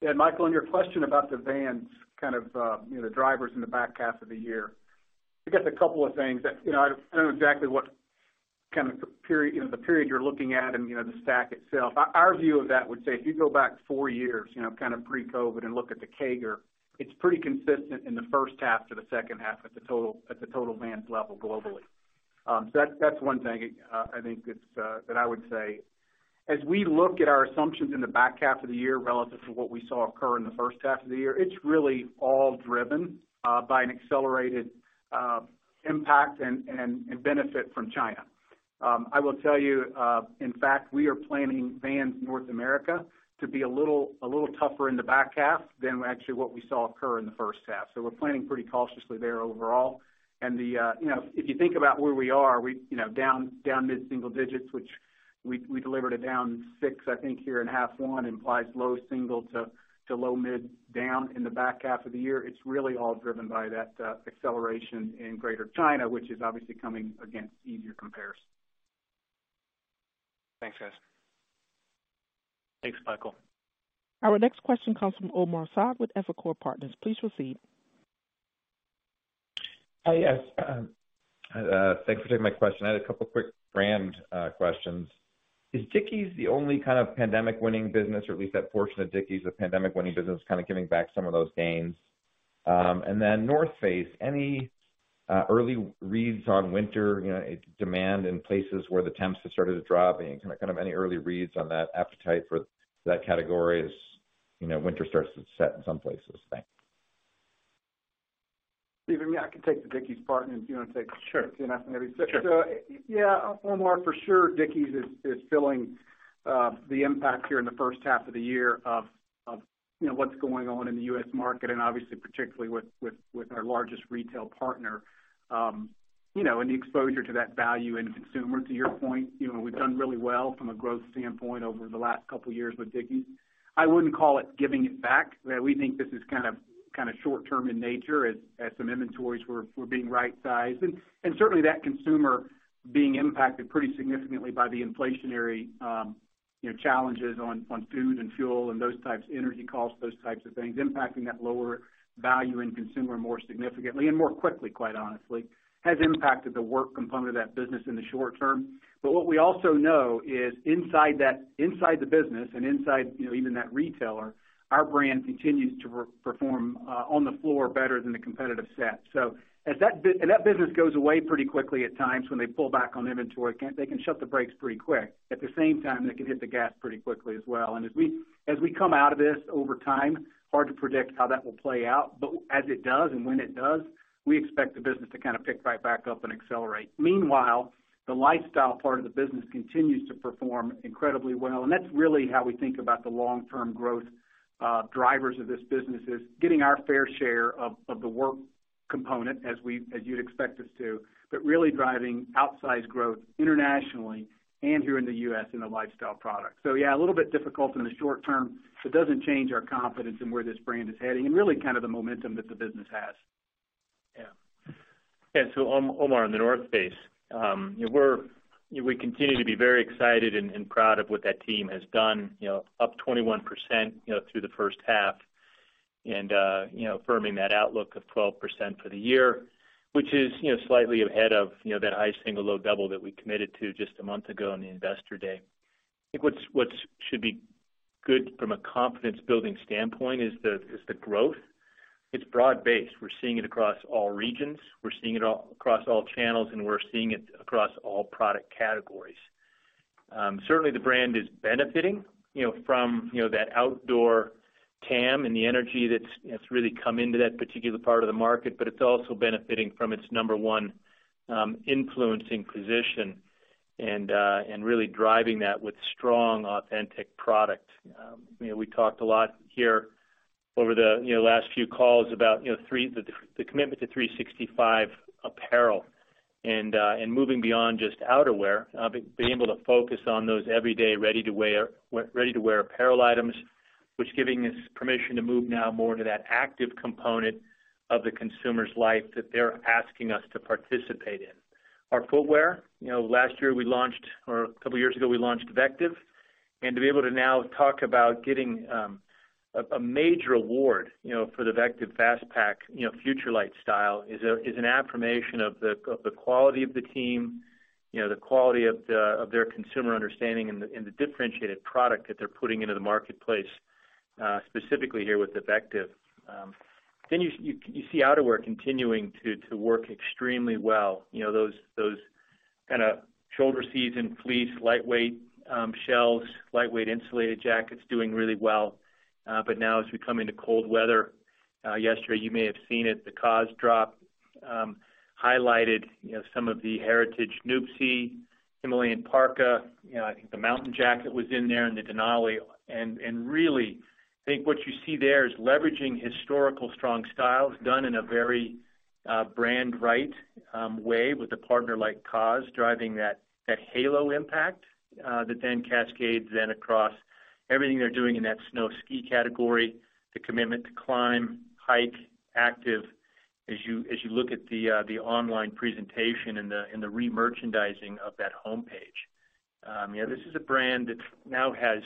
[SPEAKER 4] Yeah. Michael, your question about the Vans kind of, you know, the drivers in the back half of the year. I guess a couple of things that, you know, I don't know exactly what kind of period, you know, the period you're looking at and, you know, the stack itself. Our view of that would say, if you go back four years, you know, kind of pre-COVID and look at the CAGR, it's pretty consistent in the first half to the second half at the total Vans level globally. So that's one thing, I think it's that I would say. As we look at our assumptions in the back half of the year relative to what we saw occur in the first half of the year, it's really all driven by an accelerated impact and benefit from China. I will tell you, in fact, we are planning Vans North America to be a little tougher in the back half than actually what we saw occur in the first half. We're planning pretty cautiously there overall. You know, if you think about where we are, you know, down mid-single digits, which we delivered a down six, I think, here in half one, implies low single to low mid down in the back half of the year. It's really all driven by that acceleration in Greater China, which is obviously coming against easier compares.
[SPEAKER 5] Thanks, guys.
[SPEAKER 3] Thanks, Michael.
[SPEAKER 1] Our next question comes from Omar Saad with Evercore Partners. Please proceed.
[SPEAKER 6] Hi. Yes. Thanks for taking my question. I had a couple of quick brand questions. Is Dickies the only kind of pandemic winning business, or at least that portion of Dickies, the pandemic winning business kind of giving back some of those gains? North Face, any early reads on winter, you know, demand in places where the temps have started to drop and kind of any early reads on that appetite for that category as, you know, winter starts to set in some places? Thanks.
[SPEAKER 4] Stephen, yeah, I can take the Dickies part, and if you wanna take.
[SPEAKER 3] Sure.
[SPEAKER 4] The North Face.
[SPEAKER 3] Sure.
[SPEAKER 4] Yeah, Omar, for sure, Dickies is feeling the impact here in the first half of the year of, you know, what's going on in the U.S. market and obviously particularly with our largest retail partner. You know, the exposure to that value and consumer, to your point, you know, we've done really well from a growth standpoint over the last couple of years with Dickies. I wouldn't call it giving it back. We think this is kind of short-term in nature as some inventories were being right-sized. Certainly that consumer being impacted pretty significantly by the inflationary challenges on food and fuel and those types of energy costs, those types of things impacting that lower income consumer more significantly and more quickly, quite honestly, has impacted the wholesale component of that business in the short term. What we also know is inside that inside the business and inside, you know, even that retailer, our brand continues to outperform on the floor better than the competitive set. As that business goes away pretty quickly at times when they pull back on inventory. Again, they can slam on the brakes pretty quick. At the same time, they can hit the gas pretty quickly as well. As we come out of this over time, hard to predict how that will play out. As it does and when it does, we expect the business to kind of pick right back up and accelerate. Meanwhile, the lifestyle part of the business continues to perform incredibly well, and that's really how we think about the long-term growth drivers of this business is getting our fair share of the work component as you'd expect us to, but really driving outsized growth internationally and here in the U.S. in a lifestyle product. Yeah, a little bit difficult in the short term, but doesn't change our confidence in where this brand is heading and really kind of the momentum that the business has.
[SPEAKER 3] Yeah. Omar, on The North Face, we continue to be very excited and proud of what that team has done, you know, up 21% through the first half and, you know, firming that outlook of 12% for the year, which is, you know, slightly ahead of, you know, that high single- to low double-digit that we committed to just a month ago on the Investor Day. I think what should be good from a confidence-building standpoint is the growth. It's broad-based. We're seeing it across all regions. We're seeing it all across all channels, and we're seeing it across all product categories. Certainly the brand is benefiting, you know, from, you know, that outdoor TAM and the energy that's really come into that particular part of the market, but it's also benefiting from its number one influencing position and really driving that with strong, authentic product. You know, we talked a lot here over the, you know, last few calls about the commitment to 365 Apparel and moving beyond just outerwear, being able to focus on those everyday ready-to-wear apparel items, which giving us permission to move now more to that active component of the consumer's life that they're asking us to participate in. Our footwear, you know, last year we launched, or a couple of years ago, we launched VECTIV. To be able to now talk about getting a major award, you know, for the VECTIV Fastpack, you know, FUTURELIGHT style is an affirmation of the quality of the team, you know, the quality of their consumer understanding and the differentiated product that they're putting into the marketplace, specifically here with the VECTIV. Then you see outerwear continuing to work extremely well. You know, those kinda shoulder season fleece, lightweight shells, lightweight insulated jackets doing really well. But now as we come into cold weather, yesterday you may have seen it, the KAWS drop highlighted, you know, some of the Heritage Nuptse, Himalayan Parka, you know, I think the Mountain Jacket was in there and the Denali. Really, I think what you see there is leveraging historical strong styles done in a very brand-right way with a partner like KAWS driving that halo impact that then cascades across everything they're doing in that snow ski category, the commitment to climb, hike, active as you look at the online presentation and the remerchandising of that homepage. You know, this is a brand that now has,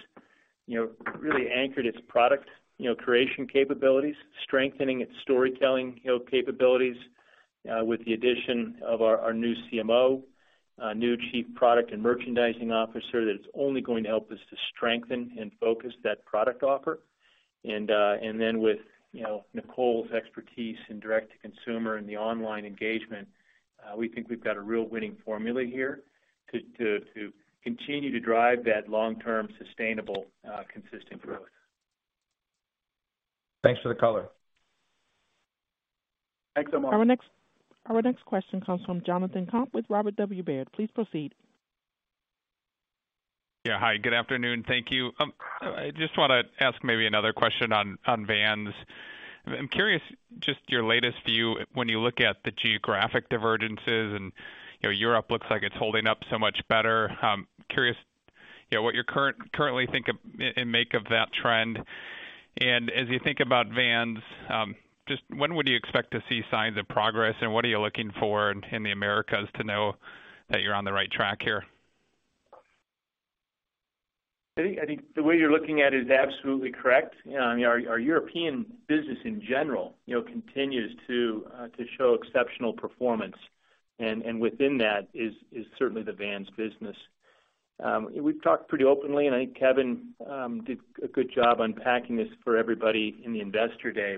[SPEAKER 3] you know, really anchored its product, you know, creation capabilities, strengthening its storytelling, you know, capabilities, with the addition of our new CMO, a new chief product and merchandising officer that's only going to help us to strengthen and focus that product offer. With, you know, Nicole's expertise in direct to consumer and the online engagement, we think we've got a real winning formula here to continue to drive that long-term sustainable, consistent growth.
[SPEAKER 6] Thanks for the color.
[SPEAKER 4] Thanks so much.
[SPEAKER 1] Our next question comes from Jonathan Komp with Robert W. Baird. Please proceed.
[SPEAKER 7] Yeah. Hi, good afternoon. Thank you. I just wanna ask maybe another question on Vans. I'm curious, just your latest view when you look at the geographic divergences and, you know, Europe looks like it's holding up so much better. Curious, you know, what you currently think of and make of that trend. As you think about Vans, just when would you expect to see signs of progress, and what are you looking for in the Americas to know that you're on the right track here?
[SPEAKER 3] I think the way you're looking at it is absolutely correct. You know, I mean, our European business in general, you know, continues to show exceptional performance. Within that is certainly the Vans business. We've talked pretty openly, and I think Kevin did a good job unpacking this for everybody in the Investor Day.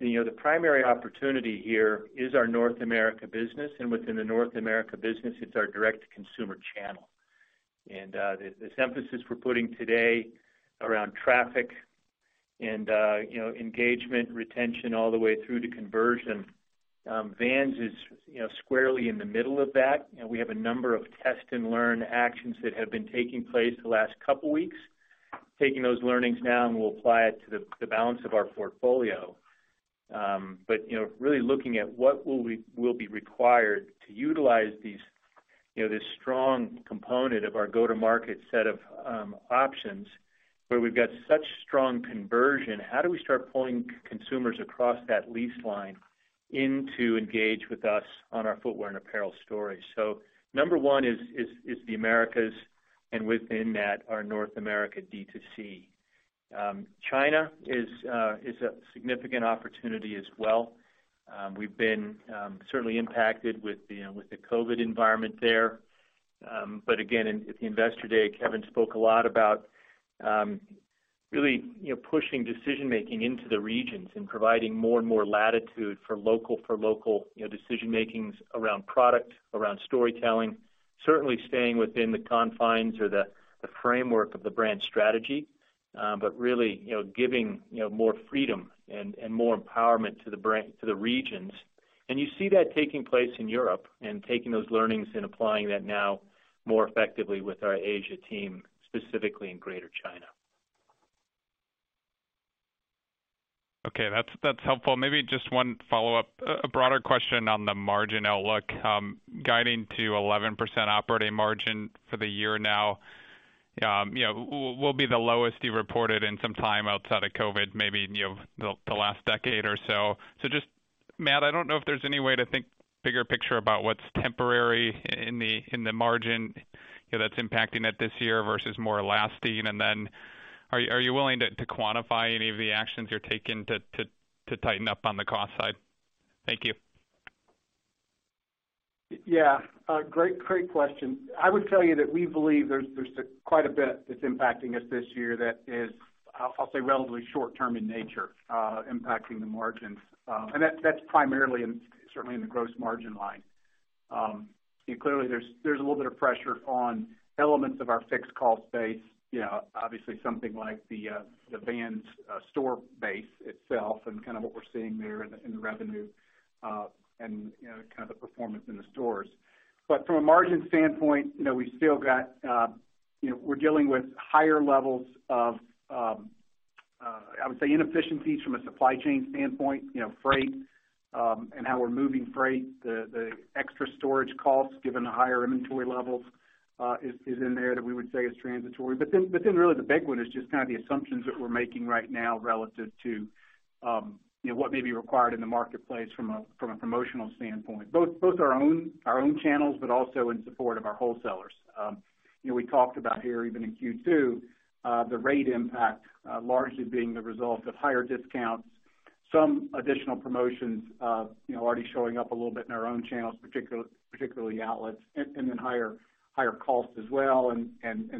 [SPEAKER 3] You know, the primary opportunity here is our North America business, and within the North America business, it's our direct-to-consumer channel. This emphasis we're putting today around traffic and, you know, engagement, retention all the way through to conversion, Vans is, you know, squarely in the middle of that. You know, we have a number of test and learn actions that have been taking place the last couple weeks. Taking those learnings now, we'll apply it to the balance of our portfolio. You know, really looking at what will be required to utilize these, you know, this strong component of our go-to-market set of options. Where we've got such strong conversion, how do we start pulling consumers across that lease line in to engage with us on our footwear and apparel story. Number one is the Americas, and within that, our North America D2C. China is a significant opportunity as well. We've been certainly impacted with the COVID environment there. Again, at the Investor Day, Kevin spoke a lot about, you know, pushing decision-making into the regions and providing more and more latitude for local, you know, decision-makings around product, around storytelling. Certainly staying within the confines or the framework of the brand strategy, but really, you know, giving, you know, more freedom and more empowerment to the regions. You see that taking place in Europe and taking those learnings and applying that now more effectively with our Asia team, specifically in Greater China.
[SPEAKER 7] Okay. That's helpful. Maybe just one follow-up. A broader question on the margin outlook. Guiding to 11% operating margin for the year now, you know, will be the lowest you reported in some time outside of COVID, maybe, you know, the last decade or so. Just, Matt, I don't know if there's any way to think bigger picture about what's temporary in the margin that's impacting it this year versus more lasting. Then are you willing to quantify any of the actions you're taking to tighten up on the cost side? Thank you.
[SPEAKER 4] Yeah. Great question. I would tell you that we believe there's quite a bit that's impacting us this year that is, I'll say, relatively short term in nature, impacting the margins. That's primarily in, certainly in the gross margin line. Clearly, there's a little bit of pressure on elements of our fixed cost base. You know, obviously something like the Vans store base itself and kind of what we're seeing there in the revenue and, you know, kind of the performance in the stores. From a margin standpoint, you know, we still got, you know, we're dealing with higher levels of, I would say inefficiencies from a supply chain standpoint, you know, freight and how we're moving freight. The extra storage costs given the higher inventory levels is in there that we would say is transitory. Really the big one is just kind of the assumptions that we're making right now relative to, you know, what may be required in the marketplace from a promotional standpoint. Both our own channels but also in support of our wholesalers. You know, we talked about here, even in Q2, the rate impact largely being the result of higher discounts. Some additional promotions, you know, already showing up a little bit in our own channels, particularly outlets, and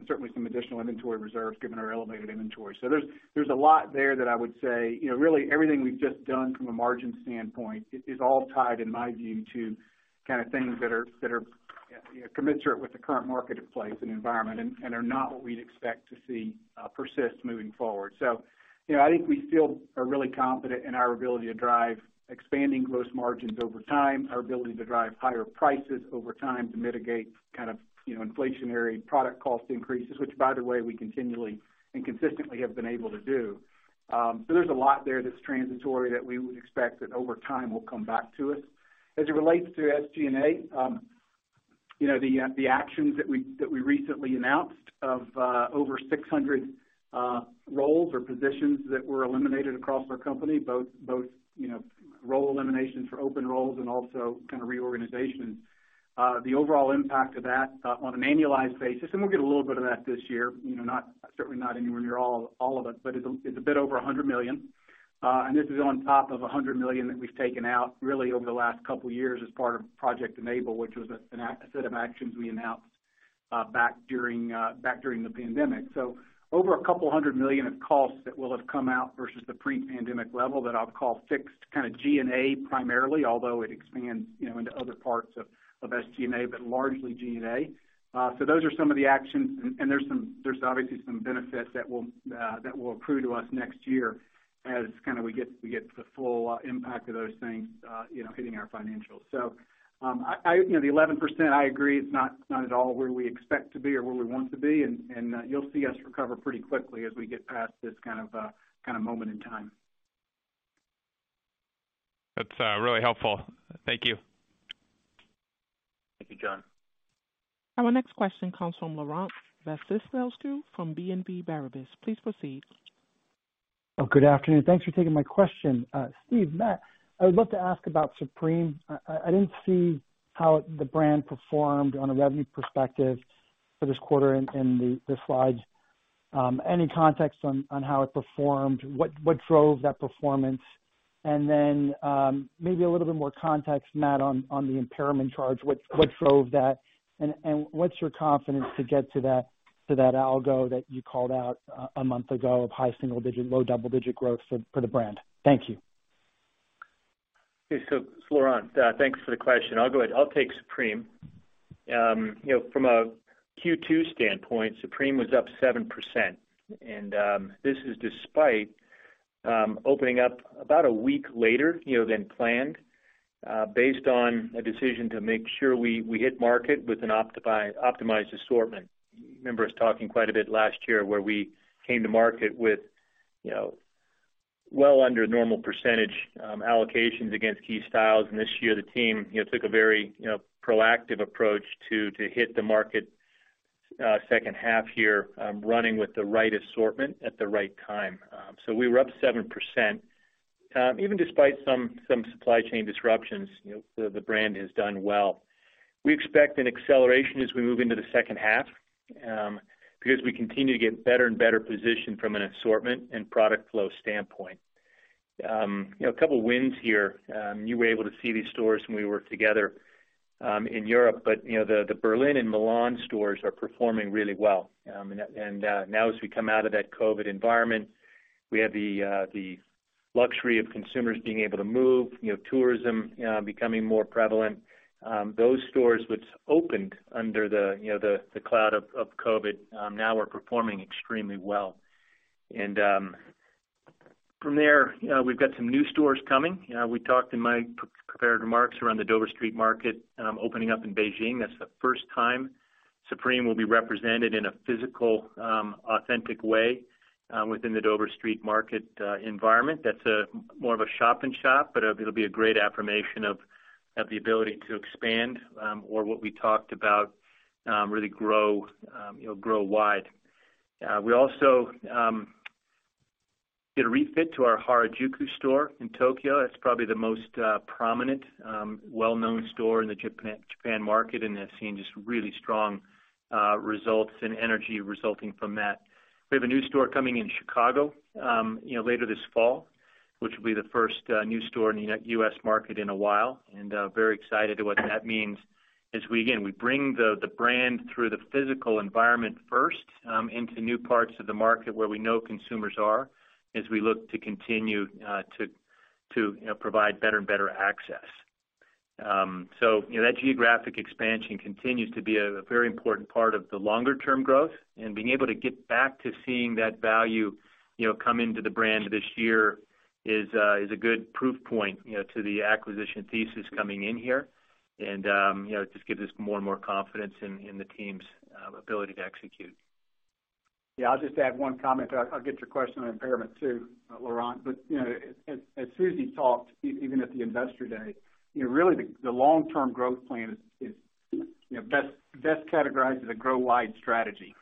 [SPEAKER 4] certainly some additional inventory reserves given our elevated inventory. There's a lot there that I would say, you know, really everything we've just done from a margin standpoint is all tied, in my view, to kind of things that are, you know, commensurate with the current marketplace and environment and are not what we'd expect to see persist moving forward. You know, I think we still are really confident in our ability to drive expanding gross margins over time, our ability to drive higher prices over time to mitigate kind of, you know, inflationary product cost increases, which by the way, we continually and consistently have been able to do. There's a lot there that's transitory that we would expect that over time will come back to us. As it relates to SG&A, you know, the actions that we recently announced of over 600 roles or positions that were eliminated across our company, both you know, role eliminations for open roles and also kind of reorganization. The overall impact of that on an annualized basis, and we'll get a little bit of that this year, you know, not certainly not anywhere near all of it, but it's a bit over $100 million. This is on top of $100 million that we've taken out really over the last couple years as part of Project Enable, which was a set of actions we announced. Back during the pandemic. Over $200 million of costs that will have come out versus the pre-pandemic level that I'll call fixed kinda G&A primarily, although it expands, you know, into other parts of SG&A, but largely G&A. Those are some of the actions. There's obviously some benefits that will accrue to us next year as we kinda get the full impact of those things, you know, hitting our financials. You know, the 11%, I agree, it's not at all where we expect to be or where we want to be, and you'll see us recover pretty quickly as we get past this kind of moment in time.
[SPEAKER 7] That's really helpful. Thank you.
[SPEAKER 3] Thank you, John.
[SPEAKER 1] Our next question comes from Laurent Vasilescu from BNP Paribas. Please proceed.
[SPEAKER 8] Oh, good afternoon. Thanks for taking my question. Steve, Matt, I would love to ask about Supreme. I didn't see how the brand performed on a revenue perspective for this quarter in the slides. Any context on how it performed? What drove that performance? And then, maybe a little bit more context, Matt, on the impairment charge. What drove that? And what's your confidence to get to that goal that you called out a month ago of high single digit, low double digit growth for the brand? Thank you.
[SPEAKER 3] Okay. Laurent, thanks for the question. I'll take Supreme. You know, from a Q2 standpoint, Supreme was up 7%. This is despite opening up about a week later, you know, than planned, based on a decision to make sure we hit market with an optimized assortment. You remember us talking quite a bit last year where we came to market with, you know, well under normal percentage allocations against key styles. This year, the team, you know, took a very, you know, proactive approach to hit the market second half here running with the right assortment at the right time. We were up 7%. Even despite some supply chain disruptions, you know, the brand has done well. We expect an acceleration as we move into the second half, because we continue to get better and better positioned from an assortment and product flow standpoint. You know, a couple wins here. You were able to see these stores when we worked together in Europe, but you know, the Berlin and Milan stores are performing really well. Now as we come out of that COVID environment, we have the luxury of consumers being able to move, you know, tourism becoming more prevalent. Those stores which opened under the, you know, the cloud of COVID, now are performing extremely well. From there, we've got some new stores coming. We talked in my prepared remarks around the Dover Street Market opening up in Beijing. That's the first time Supreme will be represented in a physical, authentic way, within the Dover Street Market environment. That's more of a shop in shop, but it'll be a great affirmation of the ability to expand, or what we talked about, really grow, you know, grow wide. We also did a refit to our Harajuku store in Tokyo. That's probably the most prominent, well-known store in the Japan market, and has seen just really strong results and energy resulting from that. We have a new store coming in Chicago, you know, later this fall, which will be the first new store in the U.S. market in a while, and very excited at what that means as we again bring the brand through the physical environment first into new parts of the market where we know consumers are as we look to continue to you know provide better and better access. You know, that geographic expansion continues to be a very important part of the longer term growth, and being able to get back to seeing that value, you know, come into the brand this year is a good proof point, you know, to the acquisition thesis coming in here. You know, it just gives us more and more confidence in the team's ability to execute.
[SPEAKER 4] Yeah, I'll just add one comment. I'll get your question on impairment too, Laurent. You know, as Susie talked even at the Investor Day, you know, really the long-term growth plan is, you know, best categorized as a grow wide strategy.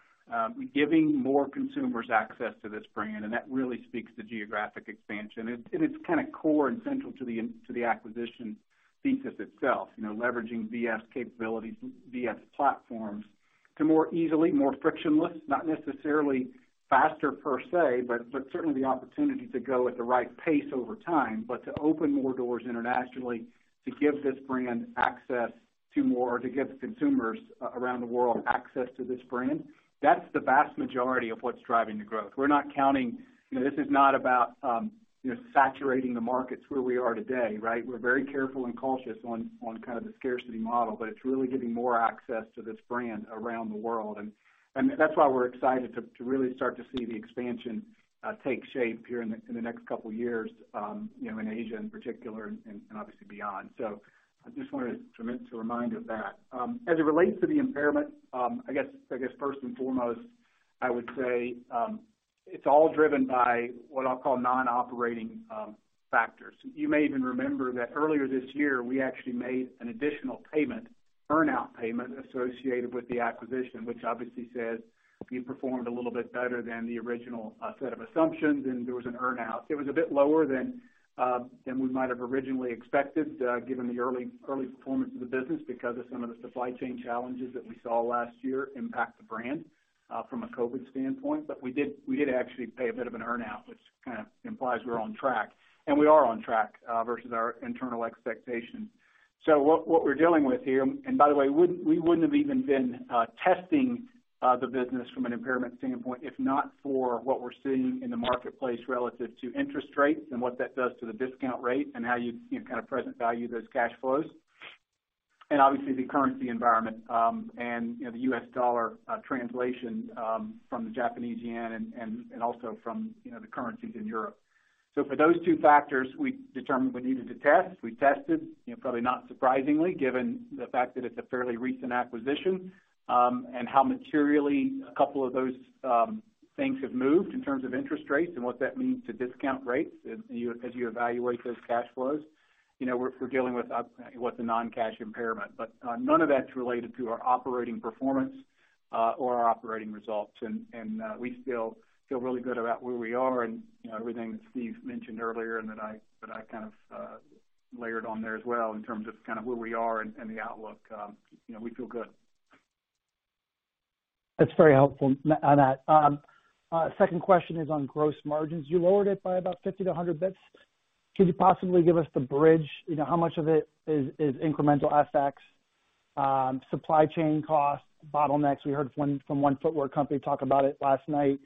[SPEAKER 4] Giving more consumers access to this brand, and that really speaks to geographic expansion. It's kinda core and central to the acquisition thesis itself. You know, leveraging VF's capabilities, VF's platforms to more easily, more frictionless, not necessarily faster per se, but certainly the opportunity to go at the right pace over time. To open more doors internationally to give this brand access to more, or to give consumers around the world access to this brand, that's the vast majority of what's driving the growth. We're not counting. You know, this is not about, you know, saturating the markets where we are today, right? We're very careful and cautious on kind of the scarcity model, but it's really giving more access to this brand around the world. That's why we're excited to really start to see the expansion take shape here in the next couple years, you know, in Asia in particular and obviously beyond. I just wanted to remind of that. As it relates to the impairment, I guess first and foremost, I would say, it's all driven by what I'll call non-operating factors. You may even remember that earlier this year, we actually made an additional payment, earn-out payment associated with the acquisition, which obviously says you performed a little bit better than the original set of assumptions, and there was an earn-out. It was a bit lower than we might have originally expected, given the early performance of the business because of some of the supply chain challenges that we saw last year impact the brand, from a COVID standpoint. We did actually pay a bit of an earn-out, which kinda implies we're on track, and we are on track versus our internal expectations. What we're dealing with here, and by the way, we wouldn't have even been testing the business from an impairment standpoint, if not for what we're seeing in the marketplace relative to interest rates and what that does to the discount rate and how you know, kind of present value those cash flows. Obviously, the currency environment, and, you know, the U.S. dollar translation from the Japanese yen and also from the currencies in Europe. For those two factors, we determined we needed to test. We tested, you know, probably not surprisingly, given the fact that it's a fairly recent acquisition, and how materially a couple of those things have moved in terms of interest rates and what that means to discount rates as you evaluate those cash flows. You know, we're dealing with what's a non-cash impairment. None of that's related to our operating performance or our operating results. We still feel really good about where we are and, you know, everything that Steve mentioned earlier and that I kind of layered on there as well in terms of kind of where we are and the outlook. You know, we feel good.
[SPEAKER 8] That's very helpful on that. Second question is on gross margins. You lowered it by about 50 to 100 basis points. Could you possibly give us the bridge? You know, how much of it is incremental FX, supply chain costs, bottlenecks. We heard from one footwear company talk about it last night.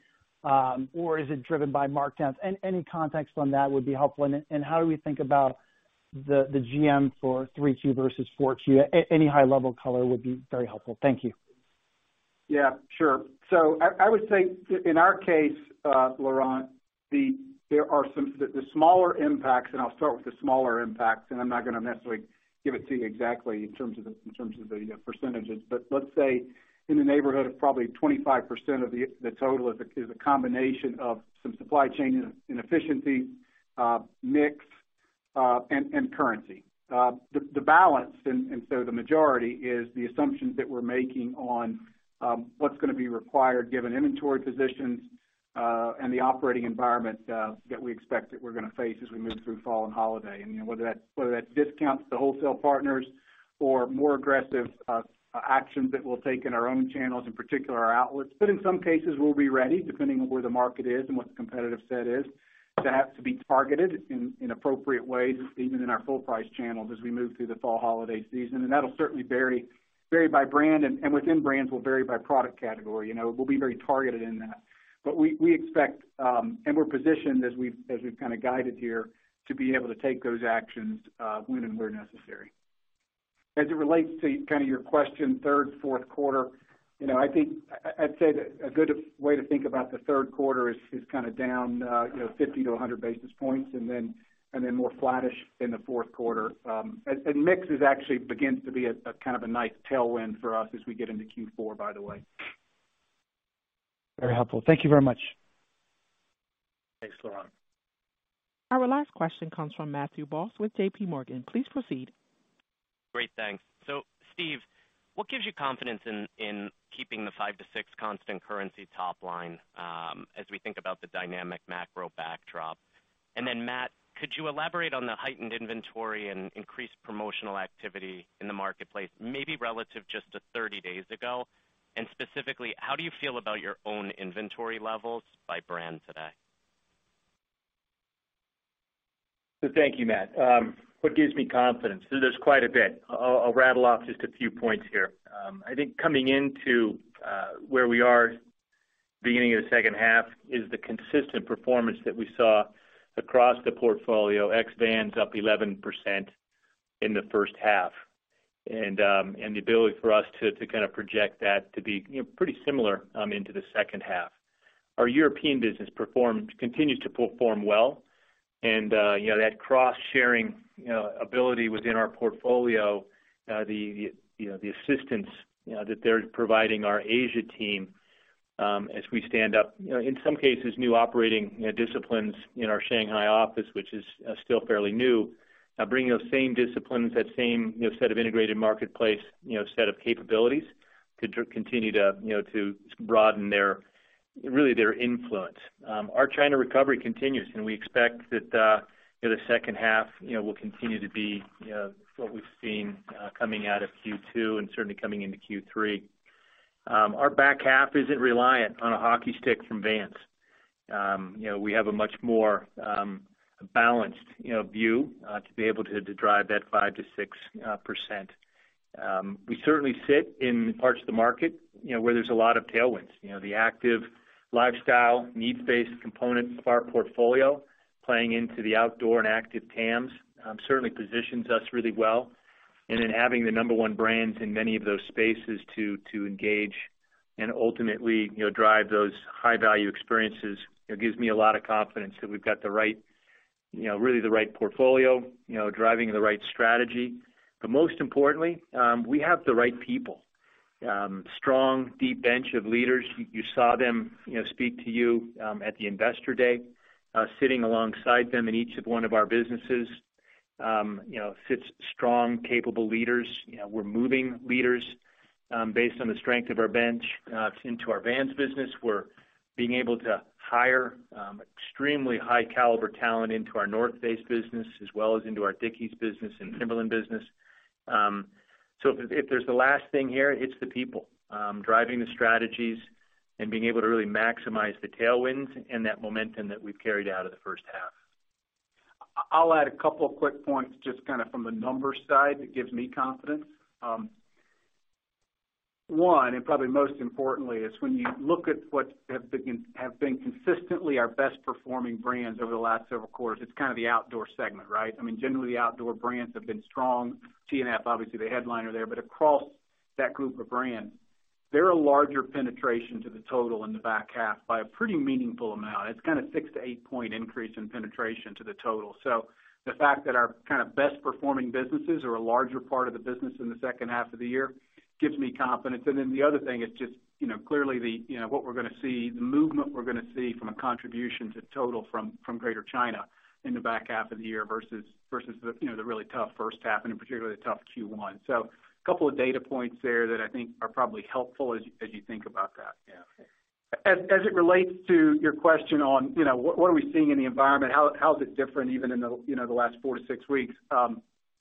[SPEAKER 8] Or is it driven by markdowns? Any context on that would be helpful. How do we think about the GM for 3Q versus 4Q? Any high level color would be very helpful. Thank you.
[SPEAKER 4] Yeah, sure. I would say in our case, Laurent, there are some smaller impacts, and I'll start with the smaller impacts, and I'm not gonna necessarily give it to you exactly in terms of the percentages. But let's say in the neighborhood of probably 25% of the total is a combination of some supply chain inefficiency, mix, and currency. The balance, so the majority is the assumptions that we're making on what's gonna be required, given inventory positions, and the operating environment that we expect that we're gonna face as we move through fall and holiday. You know, whether that discounts the wholesale partners or more aggressive actions that we'll take in our own channels, in particular our outlets. In some cases, we'll be ready, depending on where the market is and what the competitive set is, to have to be targeted in appropriate ways, even in our full price channels as we move through the fall holiday season. That'll certainly vary by brand, and within brands will vary by product category. You know, we'll be very targeted in that. We expect and we're positioned as we've kind of guided here, to be able to take those actions when and where necessary. As it relates to kind of your question, third, fourth quarter, you know, I think I'd say that a good way to think about the third quarter is kind of down 50-100 basis points and then more flattish in the fourth quarter. Mix is actually beginning to be a kind of nice tailwind for us as we get into Q4, by the way.
[SPEAKER 8] Very helpful. Thank you very much.
[SPEAKER 4] Thanks, Laurent.
[SPEAKER 1] Our last question comes from Matthew Boss with JPMorgan. Please proceed.
[SPEAKER 9] Great. Thanks. Steve, what gives you confidence in keeping the five to six constant currency top line, as we think about the dynamic macro backdrop? Matt, could you elaborate on the heightened inventory and increased promotional activity in the marketplace, maybe relative just to 30 days ago? Specifically, how do you feel about your own inventory levels by brand today?
[SPEAKER 3] Thank you, Matt. What gives me confidence? There's quite a bit. I'll rattle off just a few points here. I think coming into where we are beginning of the second half is the consistent performance that we saw across the portfolio. Ex Vans up 11% in the first half. And the ability for us to kind of project that to be, you know, pretty similar into the second half. Our European business continues to perform well. And you know, that cross-sharing, you know, ability within our portfolio, the you know, the assistance, you know, that they're providing our Asia team as we stand up, you know, in some cases, new operating, you know, disciplines in our Shanghai office, which is still fairly new. Bringing those same disciplines, that same, you know, set of integrated marketplace, you know, set of capabilities to continue to, you know, to broaden their, really their influence. Our China recovery continues, and we expect that, you know, the second half, you know, will continue to be, you know, what we've seen, coming out of Q2 and certainly coming into Q3. Our back half isn't reliant on a hockey stick from Vans. You know, we have a much more balanced, you know, view to be able to drive that 5%-6%. We certainly sit in parts of the market, you know, where there's a lot of tailwinds. You know, the active lifestyle, needs-based components of our portfolio playing into the outdoor and active TAMs certainly positions us really well. Having the number one brands in many of those spaces to engage and ultimately, you know, drive those high-value experiences, it gives me a lot of confidence that we've got the right, you know, really the right portfolio, you know, driving the right strategy. But most importantly, we have the right people. Strong, deep bench of leaders. You saw them, you know, speak to you at the Investor Day. Sitting alongside them in each one of our businesses, you know, sits strong, capable leaders. You know, we're moving leaders based on the strength of our bench into our Vans business. We're being able to hire extremely high caliber talent into our The North Face business, as well as into our Dickies business and Timberland business. If there's the last thing here, it's the people driving the strategies and being able to really maximize the tailwinds and that momentum that we've carried out of the first half.
[SPEAKER 4] I'll add a couple of quick points just kinda from the numbers side that gives me confidence. One, and probably most importantly, is when you look at what have been consistently our best performing brands over the last several quarters, it's kind of the outdoor segment, right? I mean, generally, the outdoor brands have been strong. TNF, obviously the headliner there, but across that group of brands, they're a larger penetration to the total in the back half by a pretty meaningful amount. It's kinda 6-8 point increase in penetration to the total. The fact that our kinda best performing businesses are a larger part of the business in the second half of the year gives me confidence. The other thing is just, you know, clearly the, you know, what we're gonna see, the movement we're gonna see from a contribution to total from Greater China in the back half of the year versus the, you know, the really tough first half and in particular, the tough Q1. A couple of data points there that I think are probably helpful as you think about that.
[SPEAKER 3] Yeah.
[SPEAKER 4] As it relates to your question on, you know, what are we seeing in the environment? How is it different even in the, you know, the last four to six weeks?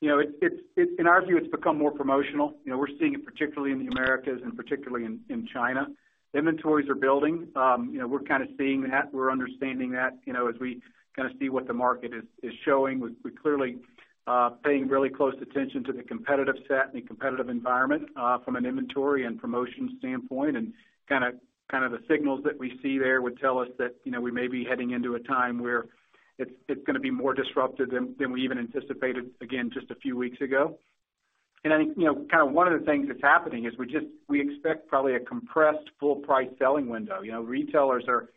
[SPEAKER 4] In our view, it's become more promotional. You know, we're seeing it particularly in the Americas and particularly in China. Inventories are building. You know, we're kinda seeing that. We're understanding that, you know, as we kinda see what the market is showing. We're clearly paying really close attention to the competitive set and the competitive environment from an inventory and promotion standpoint. Kind of the signals that we see there would tell us that, you know, we may be heading into a time where it's gonna be more disruptive than we even anticipated, again, just a few weeks ago. I think, you know, kinda one of the things that's happening is we expect probably a compressed full price selling window. You know, retailers are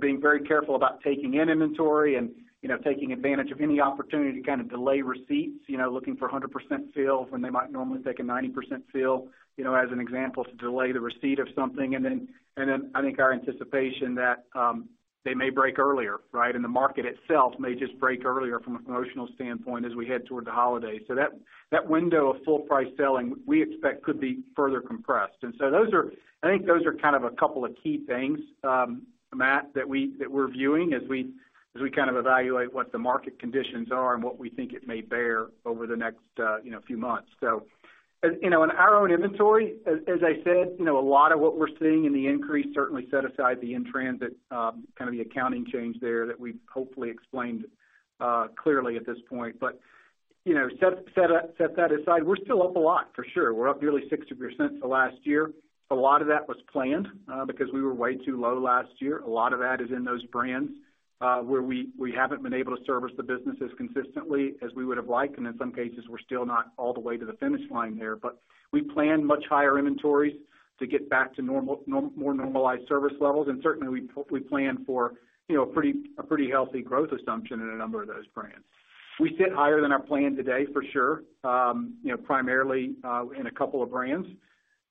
[SPEAKER 4] being very careful about taking in inventory and, you know, taking advantage of any opportunity to kinda delay receipts, you know, looking for a 100% fill when they might normally take a 90% fill, you know, as an example, to delay the receipt of something. I think our anticipation that they may break earlier, right? The market itself may just break earlier from a promotional standpoint as we head towards the holiday. That window of full price selling, we expect could be further compressed. I think those are kind of a couple of key things, Matt, that we're viewing as we kind of evaluate what the market conditions are and what we think it may bear over the next, you know, few months. You know, in our own inventory, as I said, you know, a lot of what we're seeing in the increase certainly, set aside the in-transit, kind of the accounting change there that we've hopefully explained clearly at this point. You know, set that aside, we're still up a lot for sure. We're up nearly 60% to last year. A lot of that was planned, because we were way too low last year. A lot of that is in those brands where we haven't been able to service the businesses consistently as we would have liked, and in some cases, we're still not all the way to the finish line there. We plan much higher inventories to get back to normal, more normalized service levels, and certainly, we hopefully plan for, you know, a pretty healthy growth assumption in a number of those brands. We sit higher than our plan today for sure, you know, primarily in a couple of brands.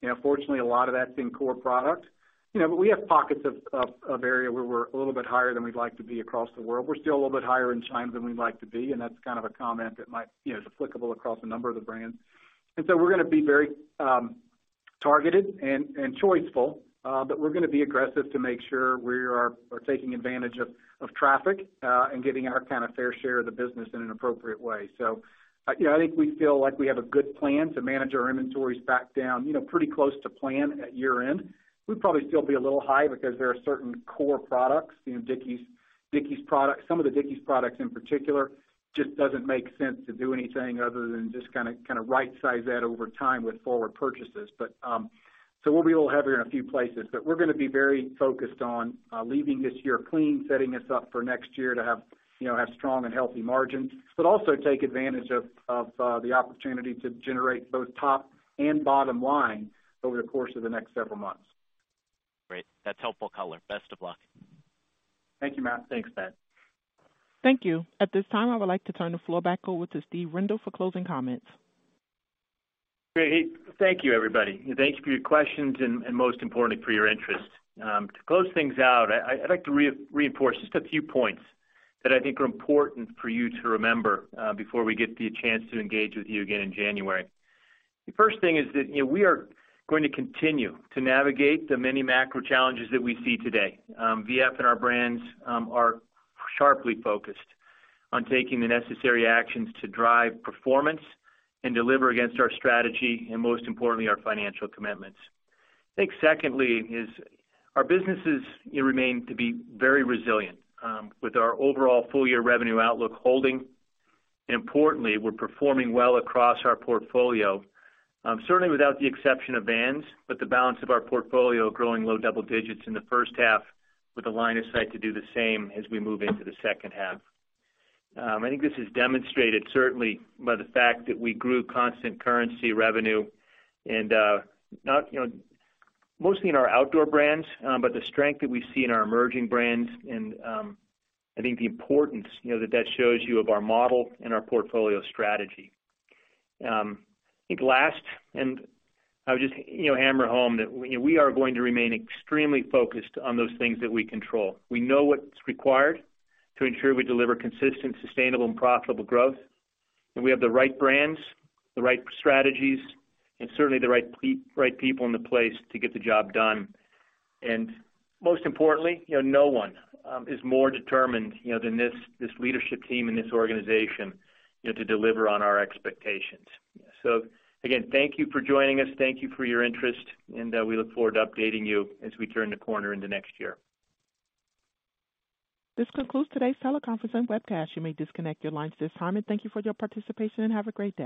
[SPEAKER 4] You know, fortunately, a lot of that's been core product. You know, but we have pockets of area where we're a little bit higher than we'd like to be across the world. We're still a little bit higher in China than we'd like to be, and that's kind of a comment that might, you know, is applicable across a number of the brands. We're gonna be very targeted and choiceful, but we're gonna be aggressive to make sure we are taking advantage of traffic and getting our kinda fair share of the business in an appropriate way. You know, I think we feel like we have a good plan to manage our inventories back down, you know, pretty close to plan at year-end. We'd probably still be a little high because there are certain core products, you know, Dickies products. Some of the Dickies products in particular just doesn't make sense to do anything other than just kinda right-size that over time with forward purchases. We'll be a little heavier in a few places. We're gonna be very focused on leaving this year clean, setting us up for next year to have, you know, strong and healthy margins, but also take advantage of the opportunity to generate both top and bottom line over the course of the next several months.
[SPEAKER 9] Great. That's helpful color. Best of luck.
[SPEAKER 4] Thank you, Matt.
[SPEAKER 3] Thanks, Matt.
[SPEAKER 1] Thank you. At this time, I would like to turn the floor back over to Steve Rendle for closing comments.
[SPEAKER 3] Great. Thank you, everybody. Thanks for your questions and, most importantly, for your interest. To close things out, I'd like to reinforce just a few points that I think are important for you to remember, before we get the chance to engage with you again in January. The first thing is that, you know, we are going to continue to navigate the many macro challenges that we see today. VF and our brands are sharply focused on taking the necessary actions to drive performance and deliver against our strategy and most importantly, our financial commitments. I think secondly is our businesses, they remain to be very resilient, with our overall full-year revenue outlook holding. Importantly, we're performing well across our portfolio, certainly without the exception of Vans, but the balance of our portfolio growing low double digits in the first half with a line of sight to do the same as we move into the second half. I think this is demonstrated certainly by the fact that we grew constant currency revenue mostly in our outdoor brands, but the strength that we see in our emerging brands and, I think the importance, you know, that shows you of our model and our portfolio strategy. I think last, and I would just, you know, hammer home that we are going to remain extremely focused on those things that we control. We know what's required to ensure we deliver consistent, sustainable, and profitable growth, and we have the right brands, the right strategies, and certainly the right people in the place to get the job done. Most importantly, you know, no one is more determined, you know, than this leadership team and this organization, you know, to deliver on our expectations. Again, thank you for joining us. Thank you for your interest, and we look forward to updating you as we turn the corner into next year.
[SPEAKER 1] This concludes today's teleconference and webcast. You may disconnect your lines at this time. Thank you for your participation and have a great day.